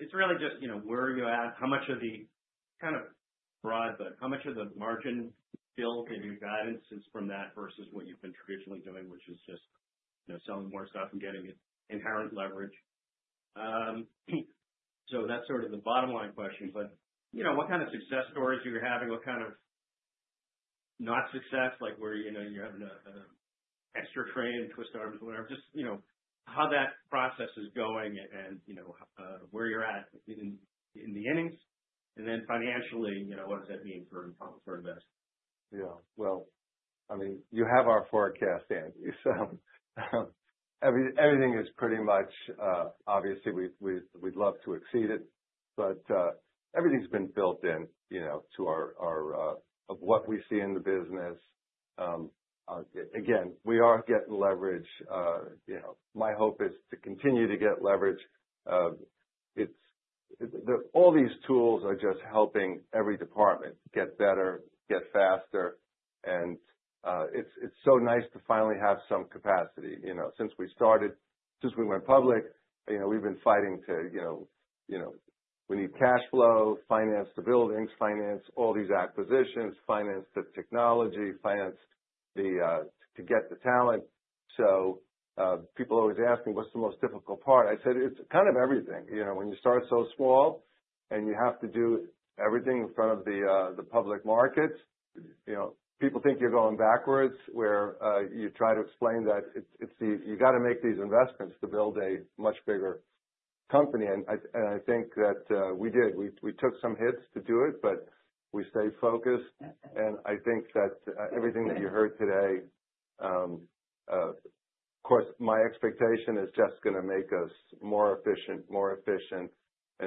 It's really just where are you at? How much of the kind of broad, but how much of the margin build and your guidance is from that versus what you've been traditionally doing, which is just selling more stuff and getting inherent leverage? That's sort of the bottom-line question. What kind of success stories are you having? What kind of not success, like where you're having an extra train, twist arms, whatever, just how that process is going and where you're at in the innings? Financially, what does that mean for investing? Yeah. I mean, you have our forecast, Andy. Everything is pretty much, obviously, we'd love to exceed it. Everything's been built into what we see in the business. Again, we are getting leverage. My hope is to continue to get leverage. All these tools are just helping every department get better, get faster. It's so nice to finally have some capacity. Since we started, since we went public, we've been fighting to, we need cash flow, finance the buildings, finance all these acquisitions, finance the technology, finance to get the talent. People always ask me, "What's the most difficult part?" I said, "It's kind of everything." When you start so small and you have to do everything in front of the public markets, people think you're going backwards, where you try to explain that you got to make these investments to build a much bigger company. I think that we did. We took some hits to do it, but we stayed focused. I think that everything that you heard today, of course, my expectation is just going to make us more efficient, more efficient.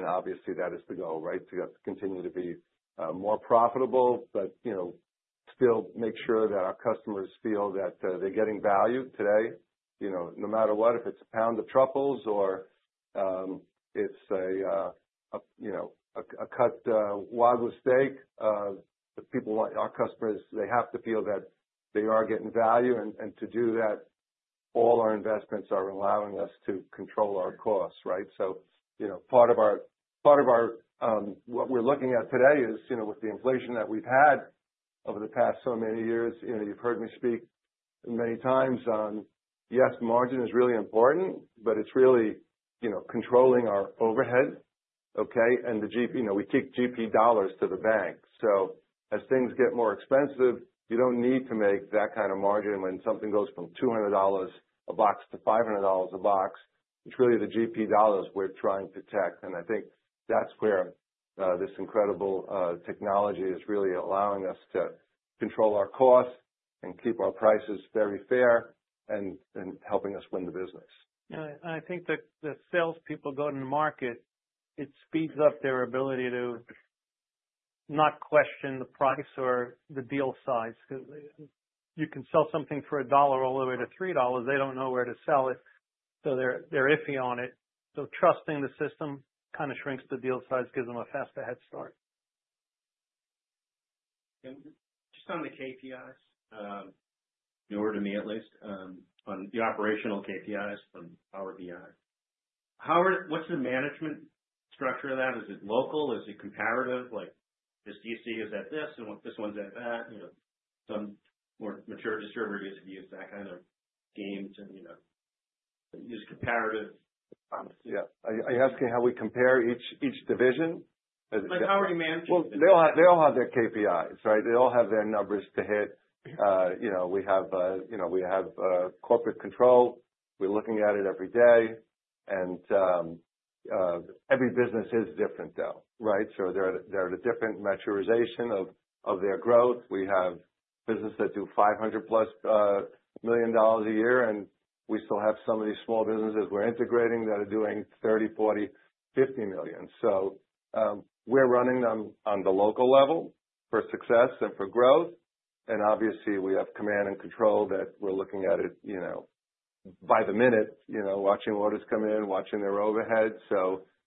Obviously, that is the goal, right, to continue to be more profitable, but still make sure that our customers feel that they're getting value today, no matter what, if it's a pound of truffles or it's a cut wagyu steak. Our customers, they have to feel that they are getting value. To do that, all our investments are allowing us to control our costs, right? Part of what we're looking at today is with the inflation that we've had over the past so many years, you've heard me speak many times on, yes, margin is really important, but it's really controlling our overhead, okay? We keep GP dollars to the bank. As things get more expensive, you don't need to make that kind of margin when something goes from $200 a box to $500 a box. It's really the GP dollars we're trying to protect. I think that's where this incredible technology is really allowing us to control our costs and keep our prices very fair and helping us win the business. I think the salespeople going to market, it speeds up their ability to not question the price or the deal size. Because you can sell something for $1 all the way to $3. They do not know where to sell it. They are iffy on it. Trusting the system kind of shrinks the deal size, gives them a faster head start. Just on the KPIs, in order to me at least, on the operational KPIs from Power BI, what's the management structure of that? Is it local? Is it comparative? Does DC is at this and this one's at that? Some more mature distributors use that kind of game to use comparative. Yeah. Are you asking how we compare each division? Like how are you managing? They all have their KPIs, right? They all have their numbers to hit. We have corporate control. We're looking at it every day. Every business is different, though, right? They're at a different maturization of their growth. We have businesses that do $500 million plus a year. We still have some of these small businesses we're integrating that are doing $30 million, $40 million, $50 million. We're running them on the local level for success and for growth. Obviously, we have command and control that we're looking at by the minute, watching orders come in, watching their overhead.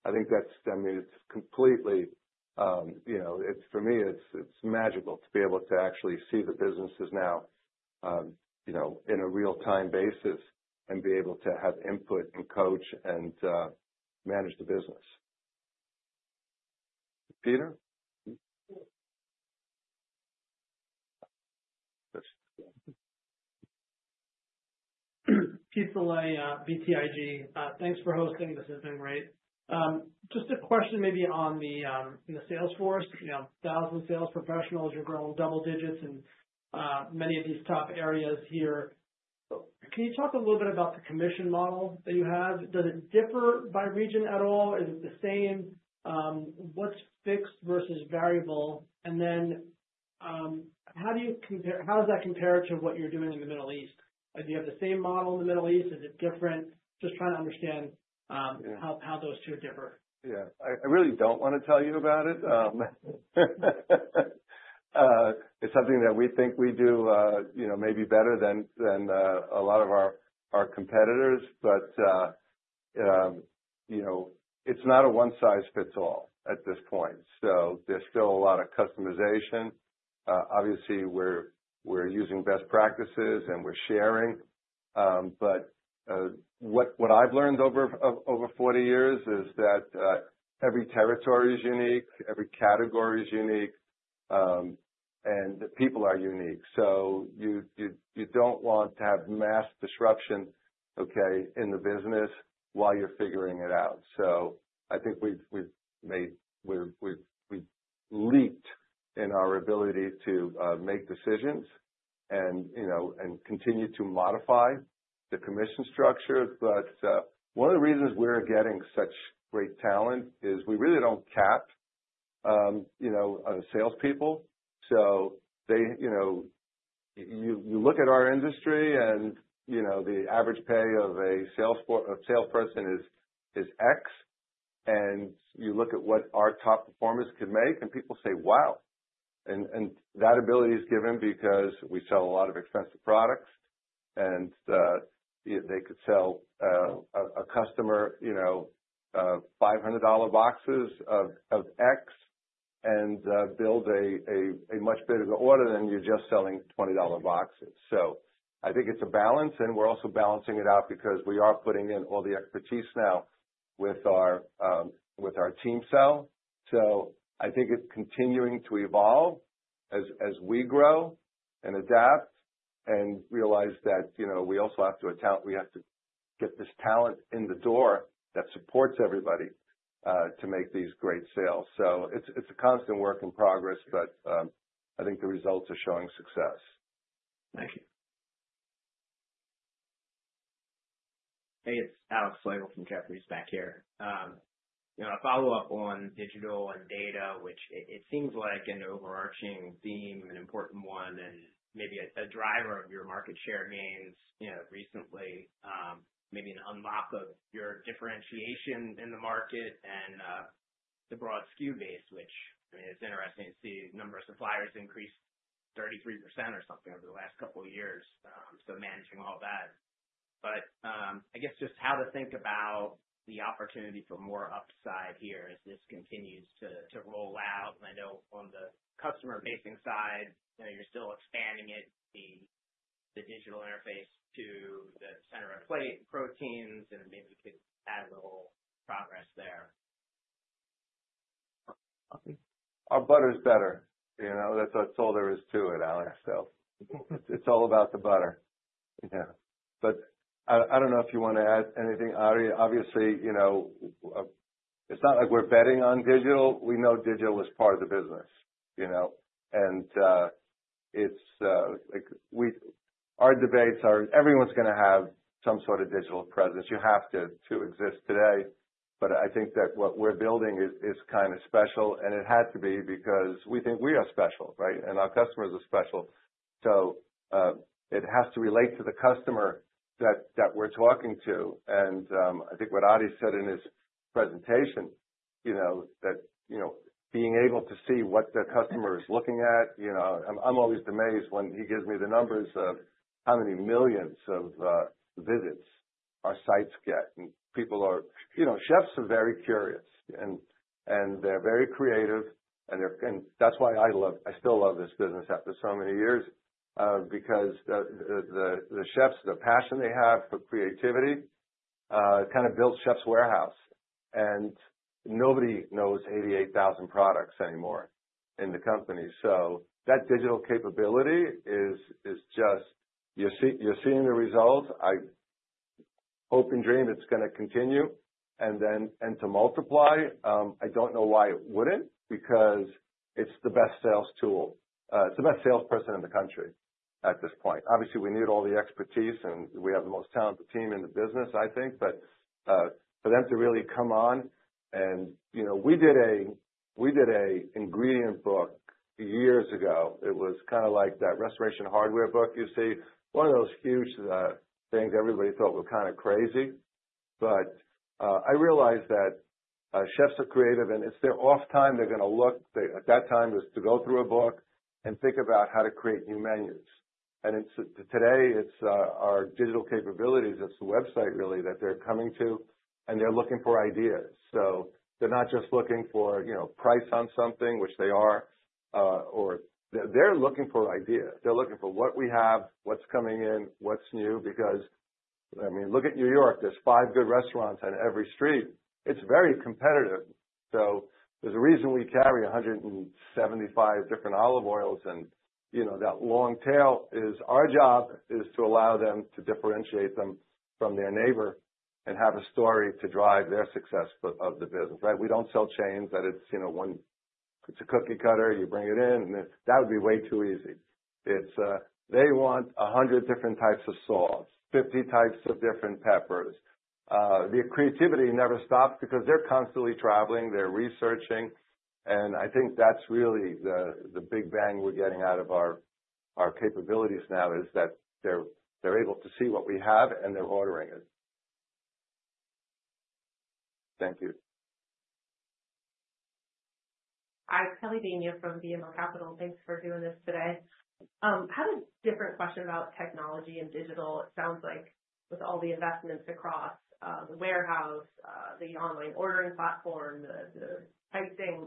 I think that's, I mean, it's completely, for me, it's magical to be able to actually see the businesses now in a real-time basis and be able to have input and coach and manage the business. Peter? Peter Saleh BTIG, Thanks for hosting. This has been great. Just a question maybe on the Salesforce. Thousand sales professionals, you're growing double digits in many of these top areas here. Can you talk a little bit about the commission model that you have? Does it differ by region at all? Is it the same? What's fixed versus variable? How do you compare? How does that compare to what you're doing in the Middle East? Do you have the same model in the Middle East? Is it different? Just trying to understand how those two differ. Yeah. I really don't want to tell you about it. It's something that we think we do maybe better than a lot of our competitors. It's not a one-size-fits-all at this point. There's still a lot of customization. Obviously, we're using best practices, and we're sharing. What I've learned over 40 years is that every territory is unique. Every category is unique. People are unique. You don't want to have mass disruption, okay, in the business while you're figuring it out. I think we've leaked in our ability to make decisions and continue to modify the commission structure. One of the reasons we're getting such great talent is we really don't cap salespeople. You look at our industry, and the average pay of a salesperson is X. You look at what our top performers could make, and people say, "Wow." That ability is given because we sell a lot of expensive products. They could sell a customer $500 boxes of X and build a much bigger order than if you are just selling $20 boxes. I think it is a balance. We are also balancing it out because we are putting in all the expertise now with our team sell. I think it is continuing to evolve as we grow and adapt and realize that we also have to account we have to get this talent in the door that supports everybody to make these great sales. It is a constant work in progress, but I think the results are showing success. Thank you. Hey, it's Alex Soleil from Jefferies back here. A follow-up on digital and data, which it seems like an overarching theme, an important one, and maybe a driver of your market share gains recently, maybe an unlock of your differentiation in the market and the broad SKU base, which, I mean, it's interesting to see the number of suppliers increase 33% or something over the last couple of years. So managing all that. But I guess just how to think about the opportunity for more upside here as this continues to roll out. I know on the customer-facing side, you're still expanding it. The digital interface to the center-of-the-plate proteins, and maybe you could add a little progress there. Our butter's better. That's what I told there is to it, Alex. It's all about the butter. Yeah. I don't know if you want to add anything. Obviously, it's not like we're betting on digital. We know digital is part of the business. Our debates are everyone's going to have some sort of digital presence. You have to exist today. I think that what we're building is kind of special. It had to be because we think we are special, right? Our customers are special. It has to relate to the customer that we're talking to. I think what Ari said in his presentation, that being able to see what the customer is looking at, I'm always amazed when he gives me the numbers of how many millions of visits our sites get. People are chefs, are very curious, and they're very creative. That's why I still love this business after so many years because the chefs, the passion they have for creativity kind of builds Chefs' Warehouse. Nobody knows 88,000 products anymore in the company. That digital capability is just, you're seeing the results. I hope and dream it's going to continue. To multiply, I don't know why it wouldn't because it's the best sales tool. It's the best salesperson in the country at this point. Obviously, we need all the expertise, and we have the most talented team in the business, I think. For them to really come on, we did an ingredient book years ago. It was kind of like that Restoration Hardware book. You see one of those huge things everybody thought were kind of crazy. I realized that chefs are creative, and it's their off time they're going to look. At that time, it was to go through a book and think about how to create new menus. Today, it's our digital capabilities. It's the website really that they're coming to, and they're looking for ideas. They're not just looking for price on something, which they are, or they're looking for ideas. They're looking for what we have, what's coming in, what's new. I mean, look at New York. There's five good restaurants on every street. It's very competitive. There's a reason we carry 175 different olive oils. That long tail is our job is to allow them to differentiate them from their neighbor and have a story to drive their success of the business, right? We don't sell chains that it's a cookie cutter. You bring it in, and that would be way too easy. They want 100 different types of sauce, 50 types of different peppers. The creativity never stops because they're constantly traveling. They're researching. I think that's really the big bang we're getting out of our capabilities now is that they're able to see what we have, and they're ordering it. Thank you. Hi, Kelly Ann Bania from BMO Capital Markets. Thanks for doing this today. I have a different question about technology and digital. It sounds like with all the investments across the warehouse, the online ordering platform, the pricing.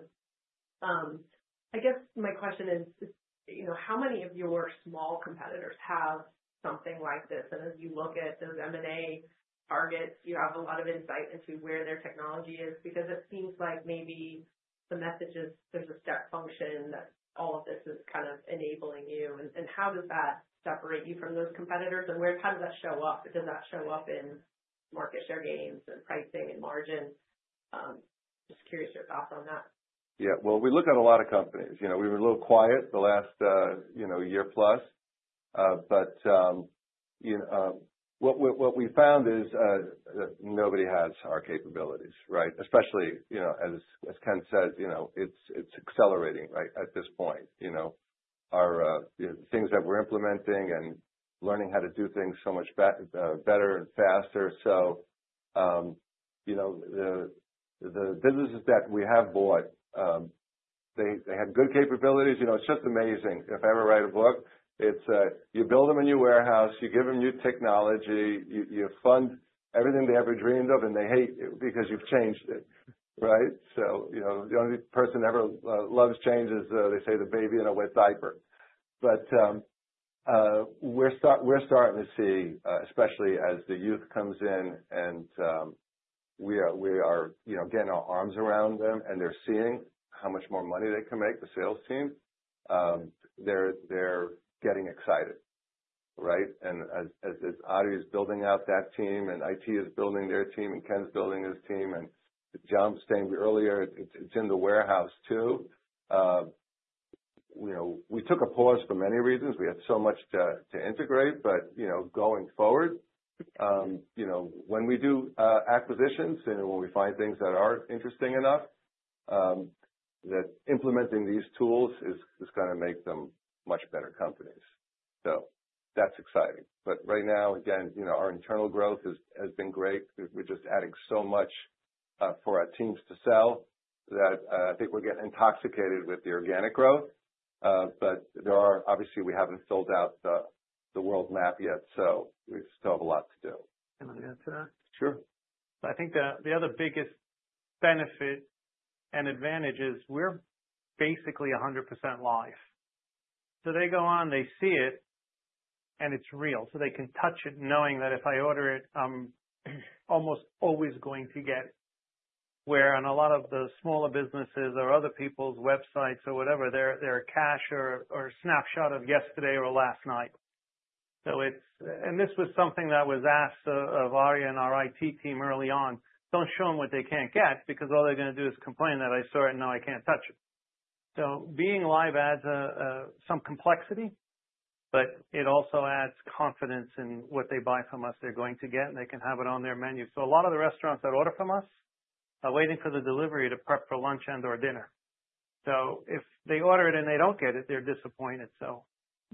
I guess my question is, how many of your small competitors have something like this? As you look at those M&A targets, you have a lot of insight into where their technology is because it seems like maybe the message is there's a step function that all of this is kind of enabling you. How does that separate you from those competitors? How does that show up? Does that show up in market share gains and pricing and margin? Just curious your thoughts on that. Yeah. We look at a lot of companies. We were a little quiet the last year plus. What we found is nobody has our capabilities, right? Especially as Ken says, it's accelerating, right, at this point. The things that we're implementing and learning how to do things so much better and faster. The businesses that we have bought, they have good capabilities. It's just amazing. If I ever write a book, you build them a new warehouse. You give them new technology. You fund everything they ever dreamed of, and they hate it because you've changed it, right? The only person that ever loves change is, they say, the baby in a wet diaper. We're starting to see, especially as the youth comes in and we are getting our arms around them, and they're seeing how much more money they can make the sales team, they're getting excited, right? As Ari is building out that team and IT is building their team and Ken's building his team and John was saying earlier, it's in the warehouse too. We took a pause for many reasons. We had so much to integrate. Going forward, when we do acquisitions and when we find things that aren't interesting enough, implementing these tools is going to make them much better companies. That's exciting. Right now, again, our internal growth has been great. We're just adding so much for our teams to sell that I think we're getting intoxicated with the organic growth. Obviously, we haven't filled out the world map yet. We still have a lot to do. Can I add to that? Sure. I think the other biggest benefit and advantage is we're basically 100% live. They go on, they see it, and it's real. They can touch it knowing that if I order it, I'm almost always going to get where on a lot of the smaller businesses or other people's websites or whatever, there are cache or a snapshot of yesterday or last night. This was something that was asked of Adi and our IT team early on. Don't show them what they can't get because all they're going to do is complain that I saw it and now I can't touch it. Being live adds some complexity, but it also adds confidence in what they buy from us, they're going to get, and they can have it on their menu. A lot of the restaurants that order from us are waiting for the delivery to prep for lunch and/or dinner. If they order it and they do not get it, they are disappointed.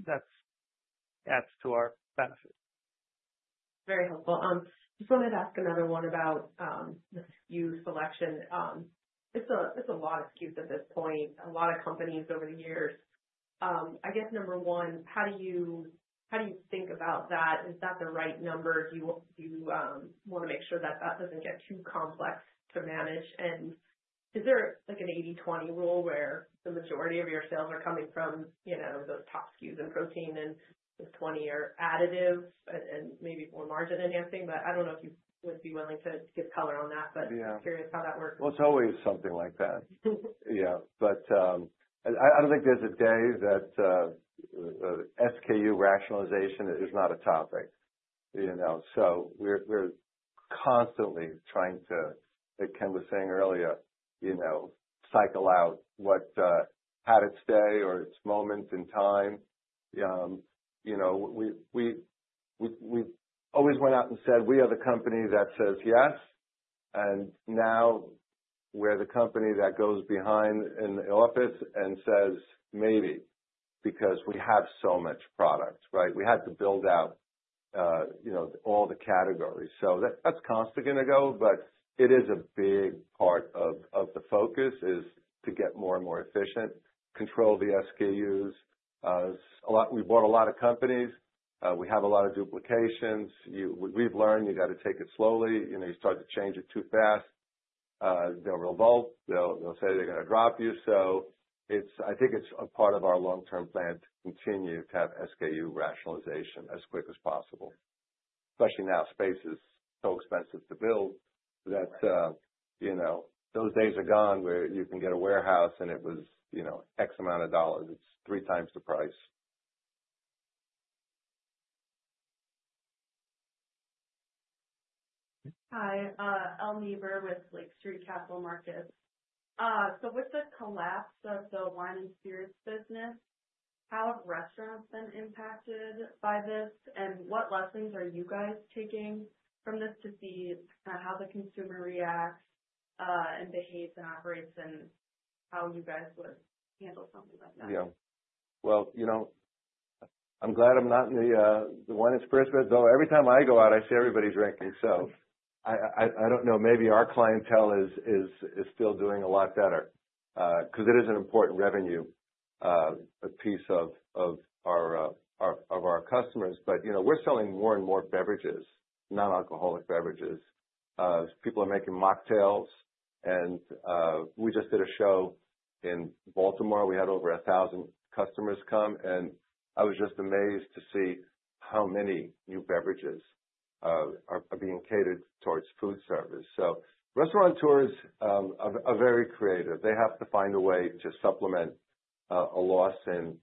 That adds to our benefit. Very helpful. Just wanted to ask another one about the SKU selection. It's a lot of SKUs at this point, a lot of companies over the years. I guess number one, how do you think about that? Is that the right number? Do you want to make sure that that doesn't get too complex to manage? Is there an 80/20 rule where the majority of your sales are coming from those top SKUs and protein and the 20 are additives and maybe more margin enhancing? I don't know if you would be willing to give color on that, but I'm curious how that works. It's always something like that. Yeah. I don't think there's a day that SKU rationalization is not a topic. We're constantly trying to, like Ken was saying earlier, cycle out how to stay or its moment in time. We always went out and said, "We are the company that says yes." Now we're the company that goes behind in the office and says maybe because we have so much product, right? We had to build out all the categories. That's constantly going to go. It is a big part of the focus to get more and more efficient, control the SKUs. We bought a lot of companies. We have a lot of duplications. We've learned you got to take it slowly. You start to change it too fast, they'll revolt. They'll say they're going to drop you. I think it's a part of our long-term plan to continue to have SKU rationalization as quick as possible. Especially now space is so expensive to build that those days are gone where you can get a warehouse and it was X amount of dollars. It's 3x the price. Hi, Elle Niebuhr with Lake Street Capital Markets. With the collapse of the wine and spirits business, how have restaurants been impacted by this? What lessons are you guys taking from this to see how the consumer reacts and behaves and operates and how you guys would handle something like that? Yeah. I'm glad I'm not in the wine and spirits business. Though every time I go out, I see everybody drinking. I don't know. Maybe our clientele is still doing a lot better because it is an important revenue piece of our customers. We're selling more and more beverages, non-alcoholic beverages. People are making mocktails. We just did a show in Baltimore. We had over 1,000 customers come. I was just amazed to see how many new beverages are being catered towards food service. Restaurateurs are very creative. They have to find a way to supplement a loss in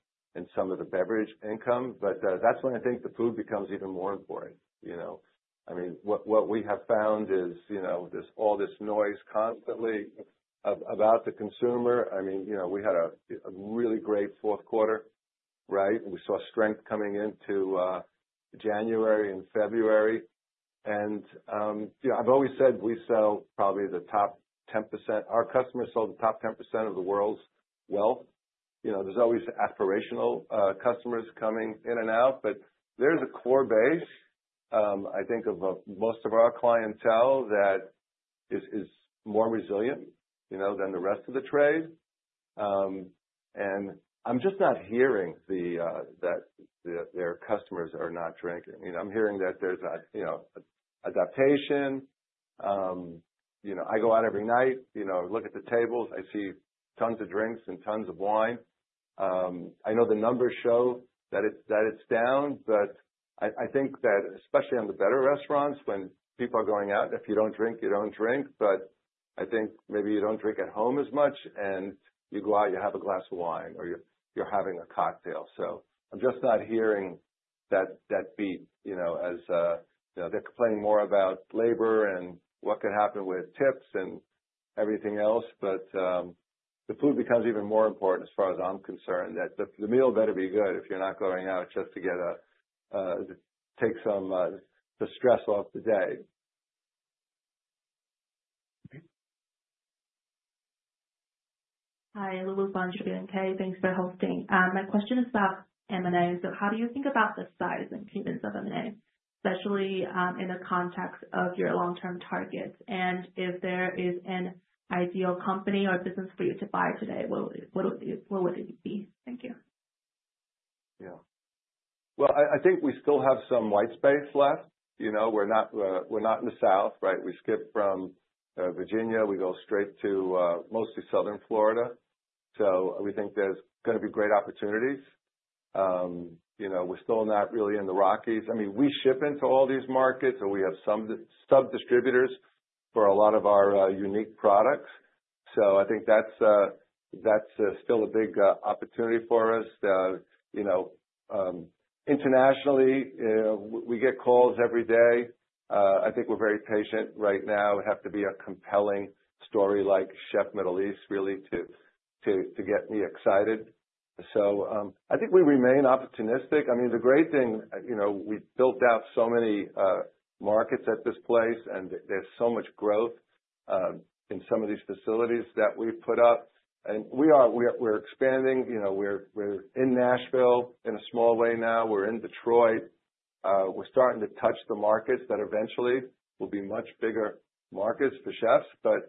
some of the beverage income. That's when I think the food becomes even more important. I mean, what we have found is there's all this noise constantly about the consumer. I mean, we had a really great fourth quarter, right? We saw strength coming into January and February. I've always said we sell probably the top 10%. Our customers sell the top 10% of the world's wealth. There's always aspirational customers coming in and out. There is a core base, I think, of most of our clientele that is more resilient than the rest of the trade. I'm just not hearing that their customers are not drinking. I'm hearing that there is adaptation. I go out every night, look at the tables. I see tons of drinks and tons of wine. I know the numbers show that it's down. I think that especially on the better restaurants, when people are going out, if you don't drink, you don't drink. I think maybe you don't drink at home as much. You go out, you have a glass of wine, or you're having a cocktail. I'm just not hearing that beat as they're complaining more about labor and what could happen with tips and everything else. The food becomes even more important as far as I'm concerned that the meal better be good if you're not going out just to take some stress off the day. Hi, Lulu Banju, BNK. Thanks for hosting. My question is about M&A. How do you think about the size and cadence of M&A, especially in the context of your long-term targets? If there is an ideal company or business for you to buy today, what would it be? Thank you. Yeah. I think we still have some white space left. We're not in the south, right? We skip from Virginia. We go straight to mostly southern Florida. We think there's going to be great opportunities. We're still not really in the Rockies. I mean, we ship into all these markets, or we have some sub-distributors for a lot of our unique products. I think that's still a big opportunity for us. Internationally, we get calls every day. I think we're very patient right now. It has to be a compelling story like Chef Middle East really to get me excited. I think we remain opportunistic. I mean, the great thing, we built out so many markets at this place, and there's so much growth in some of these facilities that we've put up. We're expanding. We're in Nashville in a small way now. We're in Detroit. We're starting to touch the markets that eventually will be much bigger markets for Chefs' Warehouse.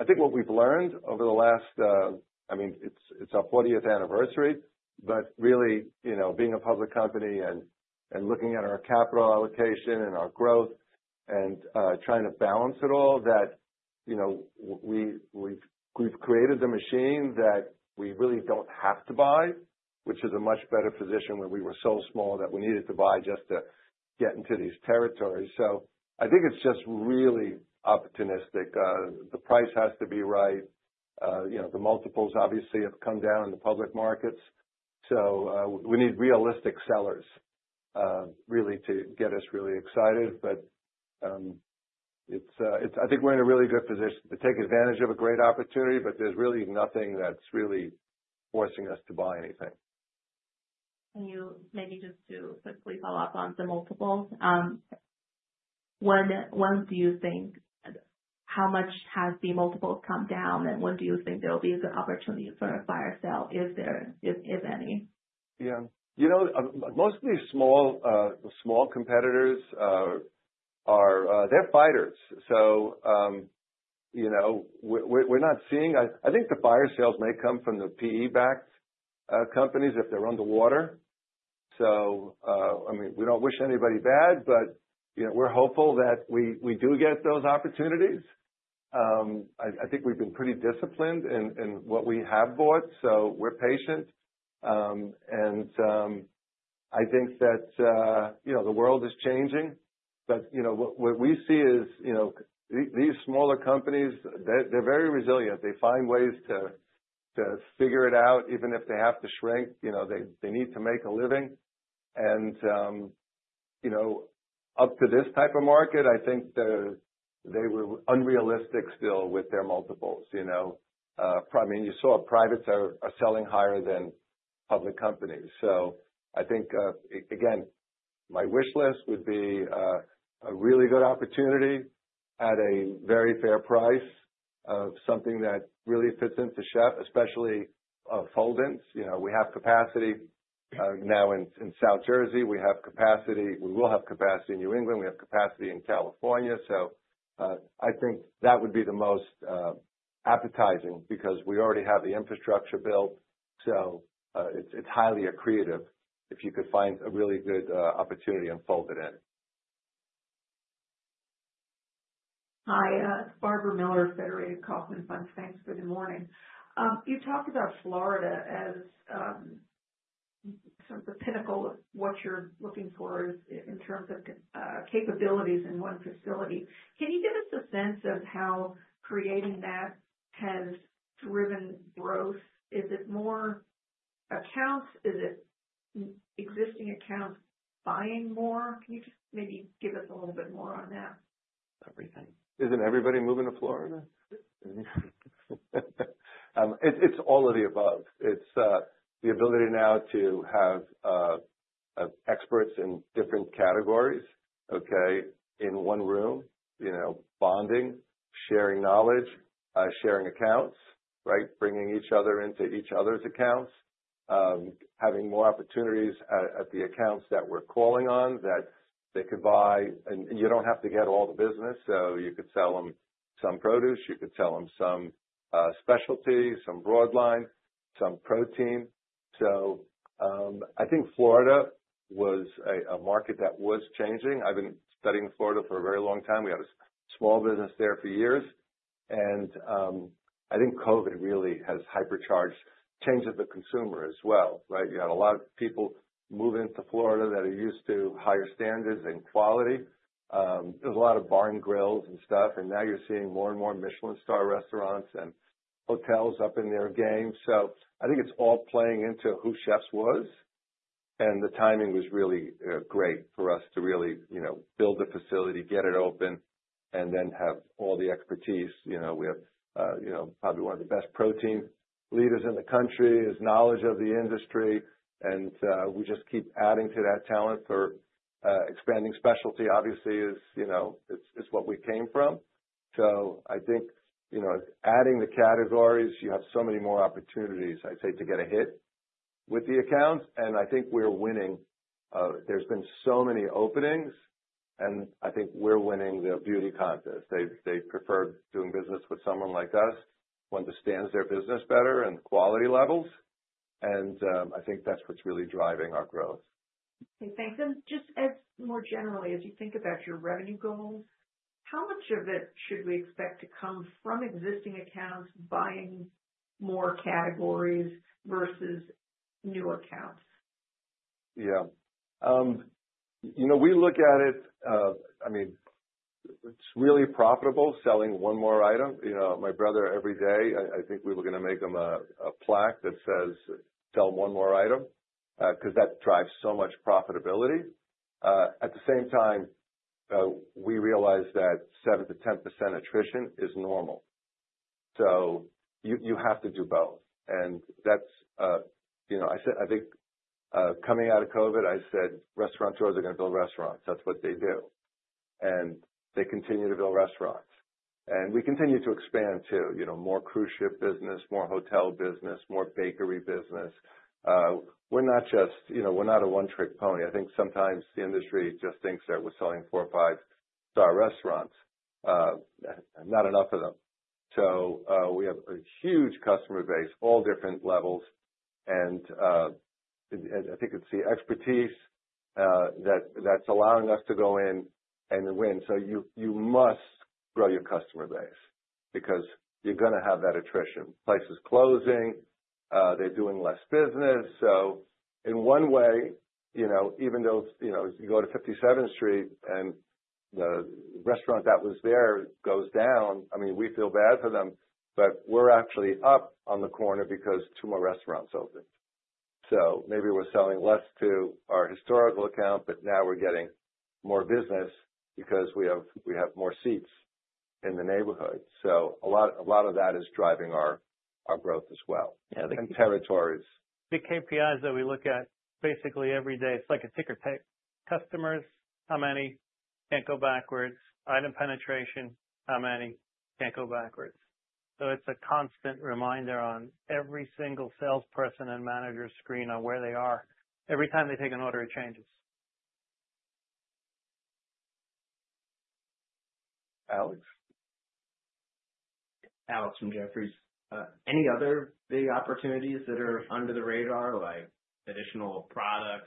I think what we've learned over the last, I mean, it's our 40th anniversary. Really, being a public company and looking at our capital allocation and our growth and trying to balance it all, we've created the machine that we really don't have to buy, which is a much better position than when we were so small that we needed to buy just to get into these territories. I think it's just really opportunistic. The price has to be right. The multiples, obviously, have come down in the public markets. We need realistic sellers to get us really excited. I think we're in a really good position to take advantage of a great opportunity, but there's really nothing that's really forcing us to buy anything. Maybe just to quickly follow up on the multiple, when do you think how much has the multiples come down, and when do you think there will be a good opportunity for a buyer sale if any. Yeah. Most of these small competitors, they're fighters. We're not seeing, I think, the buyer sales may come from the PE-backed companies if they're underwater. I mean, we don't wish anybody bad, but we're hopeful that we do get those opportunities. I think we've been pretty disciplined in what we have bought. We're patient. I think that the world is changing. What we see is these smaller companies, they're very resilient. They find ways to figure it out even if they have to shrink. They need to make a living. Up to this type of market, I think they were unrealistic still with their multiples. I mean, you saw privates are selling higher than public companies. I think, again, my wish list would be a really good opportunity at a very fair price of something that really fits into Chefs' Warehouse, especially Fold-ins. We have capacity now in South Jersey. We have capacity. We will have capacity in New England. We have capacity in California. I think that would be the most appetizing because we already have the infrastructure built. It is highly accretive if you could find a really good opportunity in Fold-ins. Hi, Barbara Miller of Federated Kaufmann Funds Funds. Thanks. Good morning. You talked about Florida as sort of the pinnacle of what you're looking for in terms of capabilities in one facility. Can you give us a sense of how creating that has driven growth? Is it more accounts? Is it existing accounts buying more? Can you just maybe give us a little bit more on that? Everything. Isn't everybody moving to Florida? It's all of the above. It's the ability now to have experts in different categories, okay, in one room, bonding, sharing knowledge, sharing accounts, right, bringing each other into each other's accounts, having more opportunities at the accounts that we're calling on that they could buy. You don't have to get all the business. You could sell them some produce. You could sell them some specialties, some broad line, some protein. I think Florida was a market that was changing. I've been studying Florida for a very long time. We had a small business there for years. I think COVID really has hypercharged changes the consumer as well, right? You had a lot of people move into Florida that are used to higher standards and quality. There's a lot of bar and grills and stuff. You are seeing more and more Michelin-star restaurants and hotels up in their game. I think it is all playing into who Chefs' Warehouse was. The timing was really great for us to really build the facility, get it open, and then have all the expertise. We have probably one of the best protein leaders in the country, knowledge of the industry. We just keep adding to that talent for expanding specialty, obviously, is what we came from. I think adding the categories, you have so many more opportunities, I'd say, to get a hit with the accounts. I think we are winning. There have been so many openings. I think we are winning the beauty contest. They prefer doing business with someone like us when it stands their business better and quality levels. I think that is what is really driving our growth. Thanks. Just more generally, as you think about your revenue goals, how much of it should we expect to come from existing accounts buying more categories versus new accounts? Yeah. We look at it. I mean, it's really profitable selling one more item. My brother, every day, I think we were going to make him a plaque that says, "Sell one more item," because that drives so much profitability. At the same time, we realize that 7-10% attrition is normal. You have to do both. I think coming out of COVID, I said, "Restaurateurs are going to build restaurants. That's what they do." They continue to build restaurants. We continue to expand too, more cruise ship business, more hotel business, more bakery business. We're not just—we're not a one-trick pony. I think sometimes the industry just thinks that we're selling four or five-star restaurants, not enough of them. We have a huge customer base, all different levels. I think it's the expertise that's allowing us to go in and win. You must grow your customer base because you're going to have that attrition. Place is closing. They're doing less business. In one way, even though you go to 57th Street and the restaurant that was there goes down, I mean, we feel bad for them. Actually, we're up on the corner because two more restaurants opened. Maybe we're selling less to our historical account, but now we're getting more business because we have more seats in the neighborhood. A lot of that is driving our growth as well. And territories. The KPIs that we look at basically every day, it's like a ticker tape. Customers, how many? Can't go backwards. Item penetration, how many? Can't go backwards. It is a constant reminder on every single salesperson and manager's screen on where they are every time they take an order of changes. Alex. Alex from Jefferies. Any other big opportunities that are under the radar, like additional products?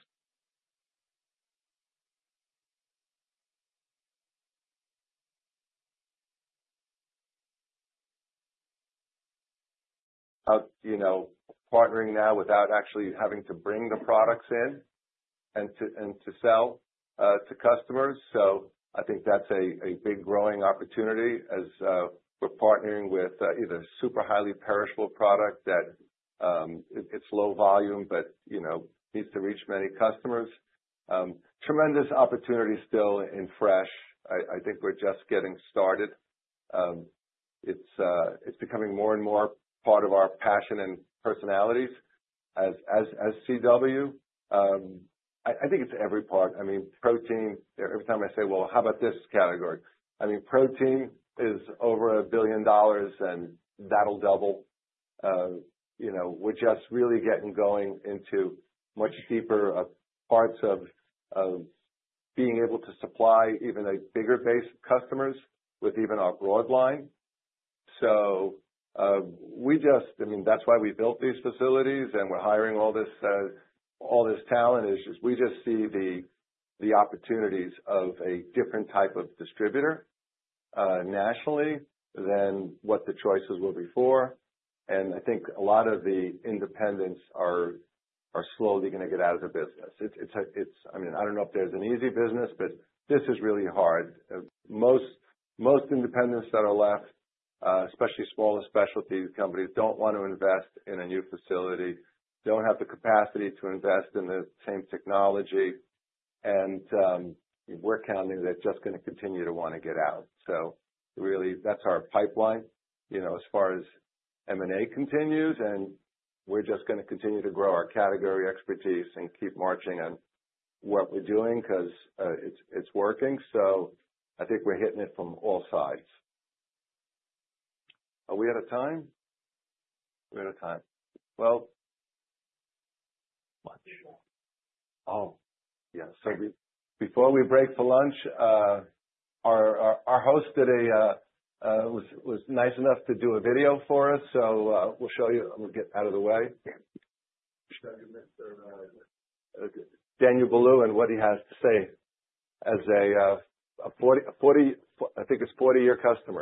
Partnering now without actually having to bring the products in and to sell to customers. I think that's a big growing opportunity as we're partnering with either super highly perishable product that it's low volume, but needs to reach many customers. Tremendous opportunity still in fresh. I think we're just getting started. It's becoming more and more part of our passion and personalities as CW. I think it's every part. I mean, protein, every time I say, "Well, how about this category?" I mean, protein is over a billion dollars, and that'll double. We're just really getting going into much deeper parts of being able to supply even a bigger base of customers with even our broad line. I mean, that's why we built these facilities, and we're hiring all this talent. We just see the opportunities of a different type of distributor nationally than what the choices were before. I think a lot of the independents are slowly going to get out of the business. I mean, I don't know if there's an easy business, but this is really hard. Most independents that are left, especially smaller specialty companies, don't want to invest in a new facility, don't have the capacity to invest in the same technology. We're counting that they're just going to continue to want to get out. Really, that's our pipeline as far as M&A continues. We're just going to continue to grow our category expertise and keep marching on what we're doing because it's working. I think we're hitting it from all sides. Are we out of time? We're out of time. Well. Lunch. Yeah. Before we break for lunch, our host was nice enough to do a video for us. We will show you. We will get out of the way. Danielle Ballou and what he has to say as a, I think, his 40-year customer.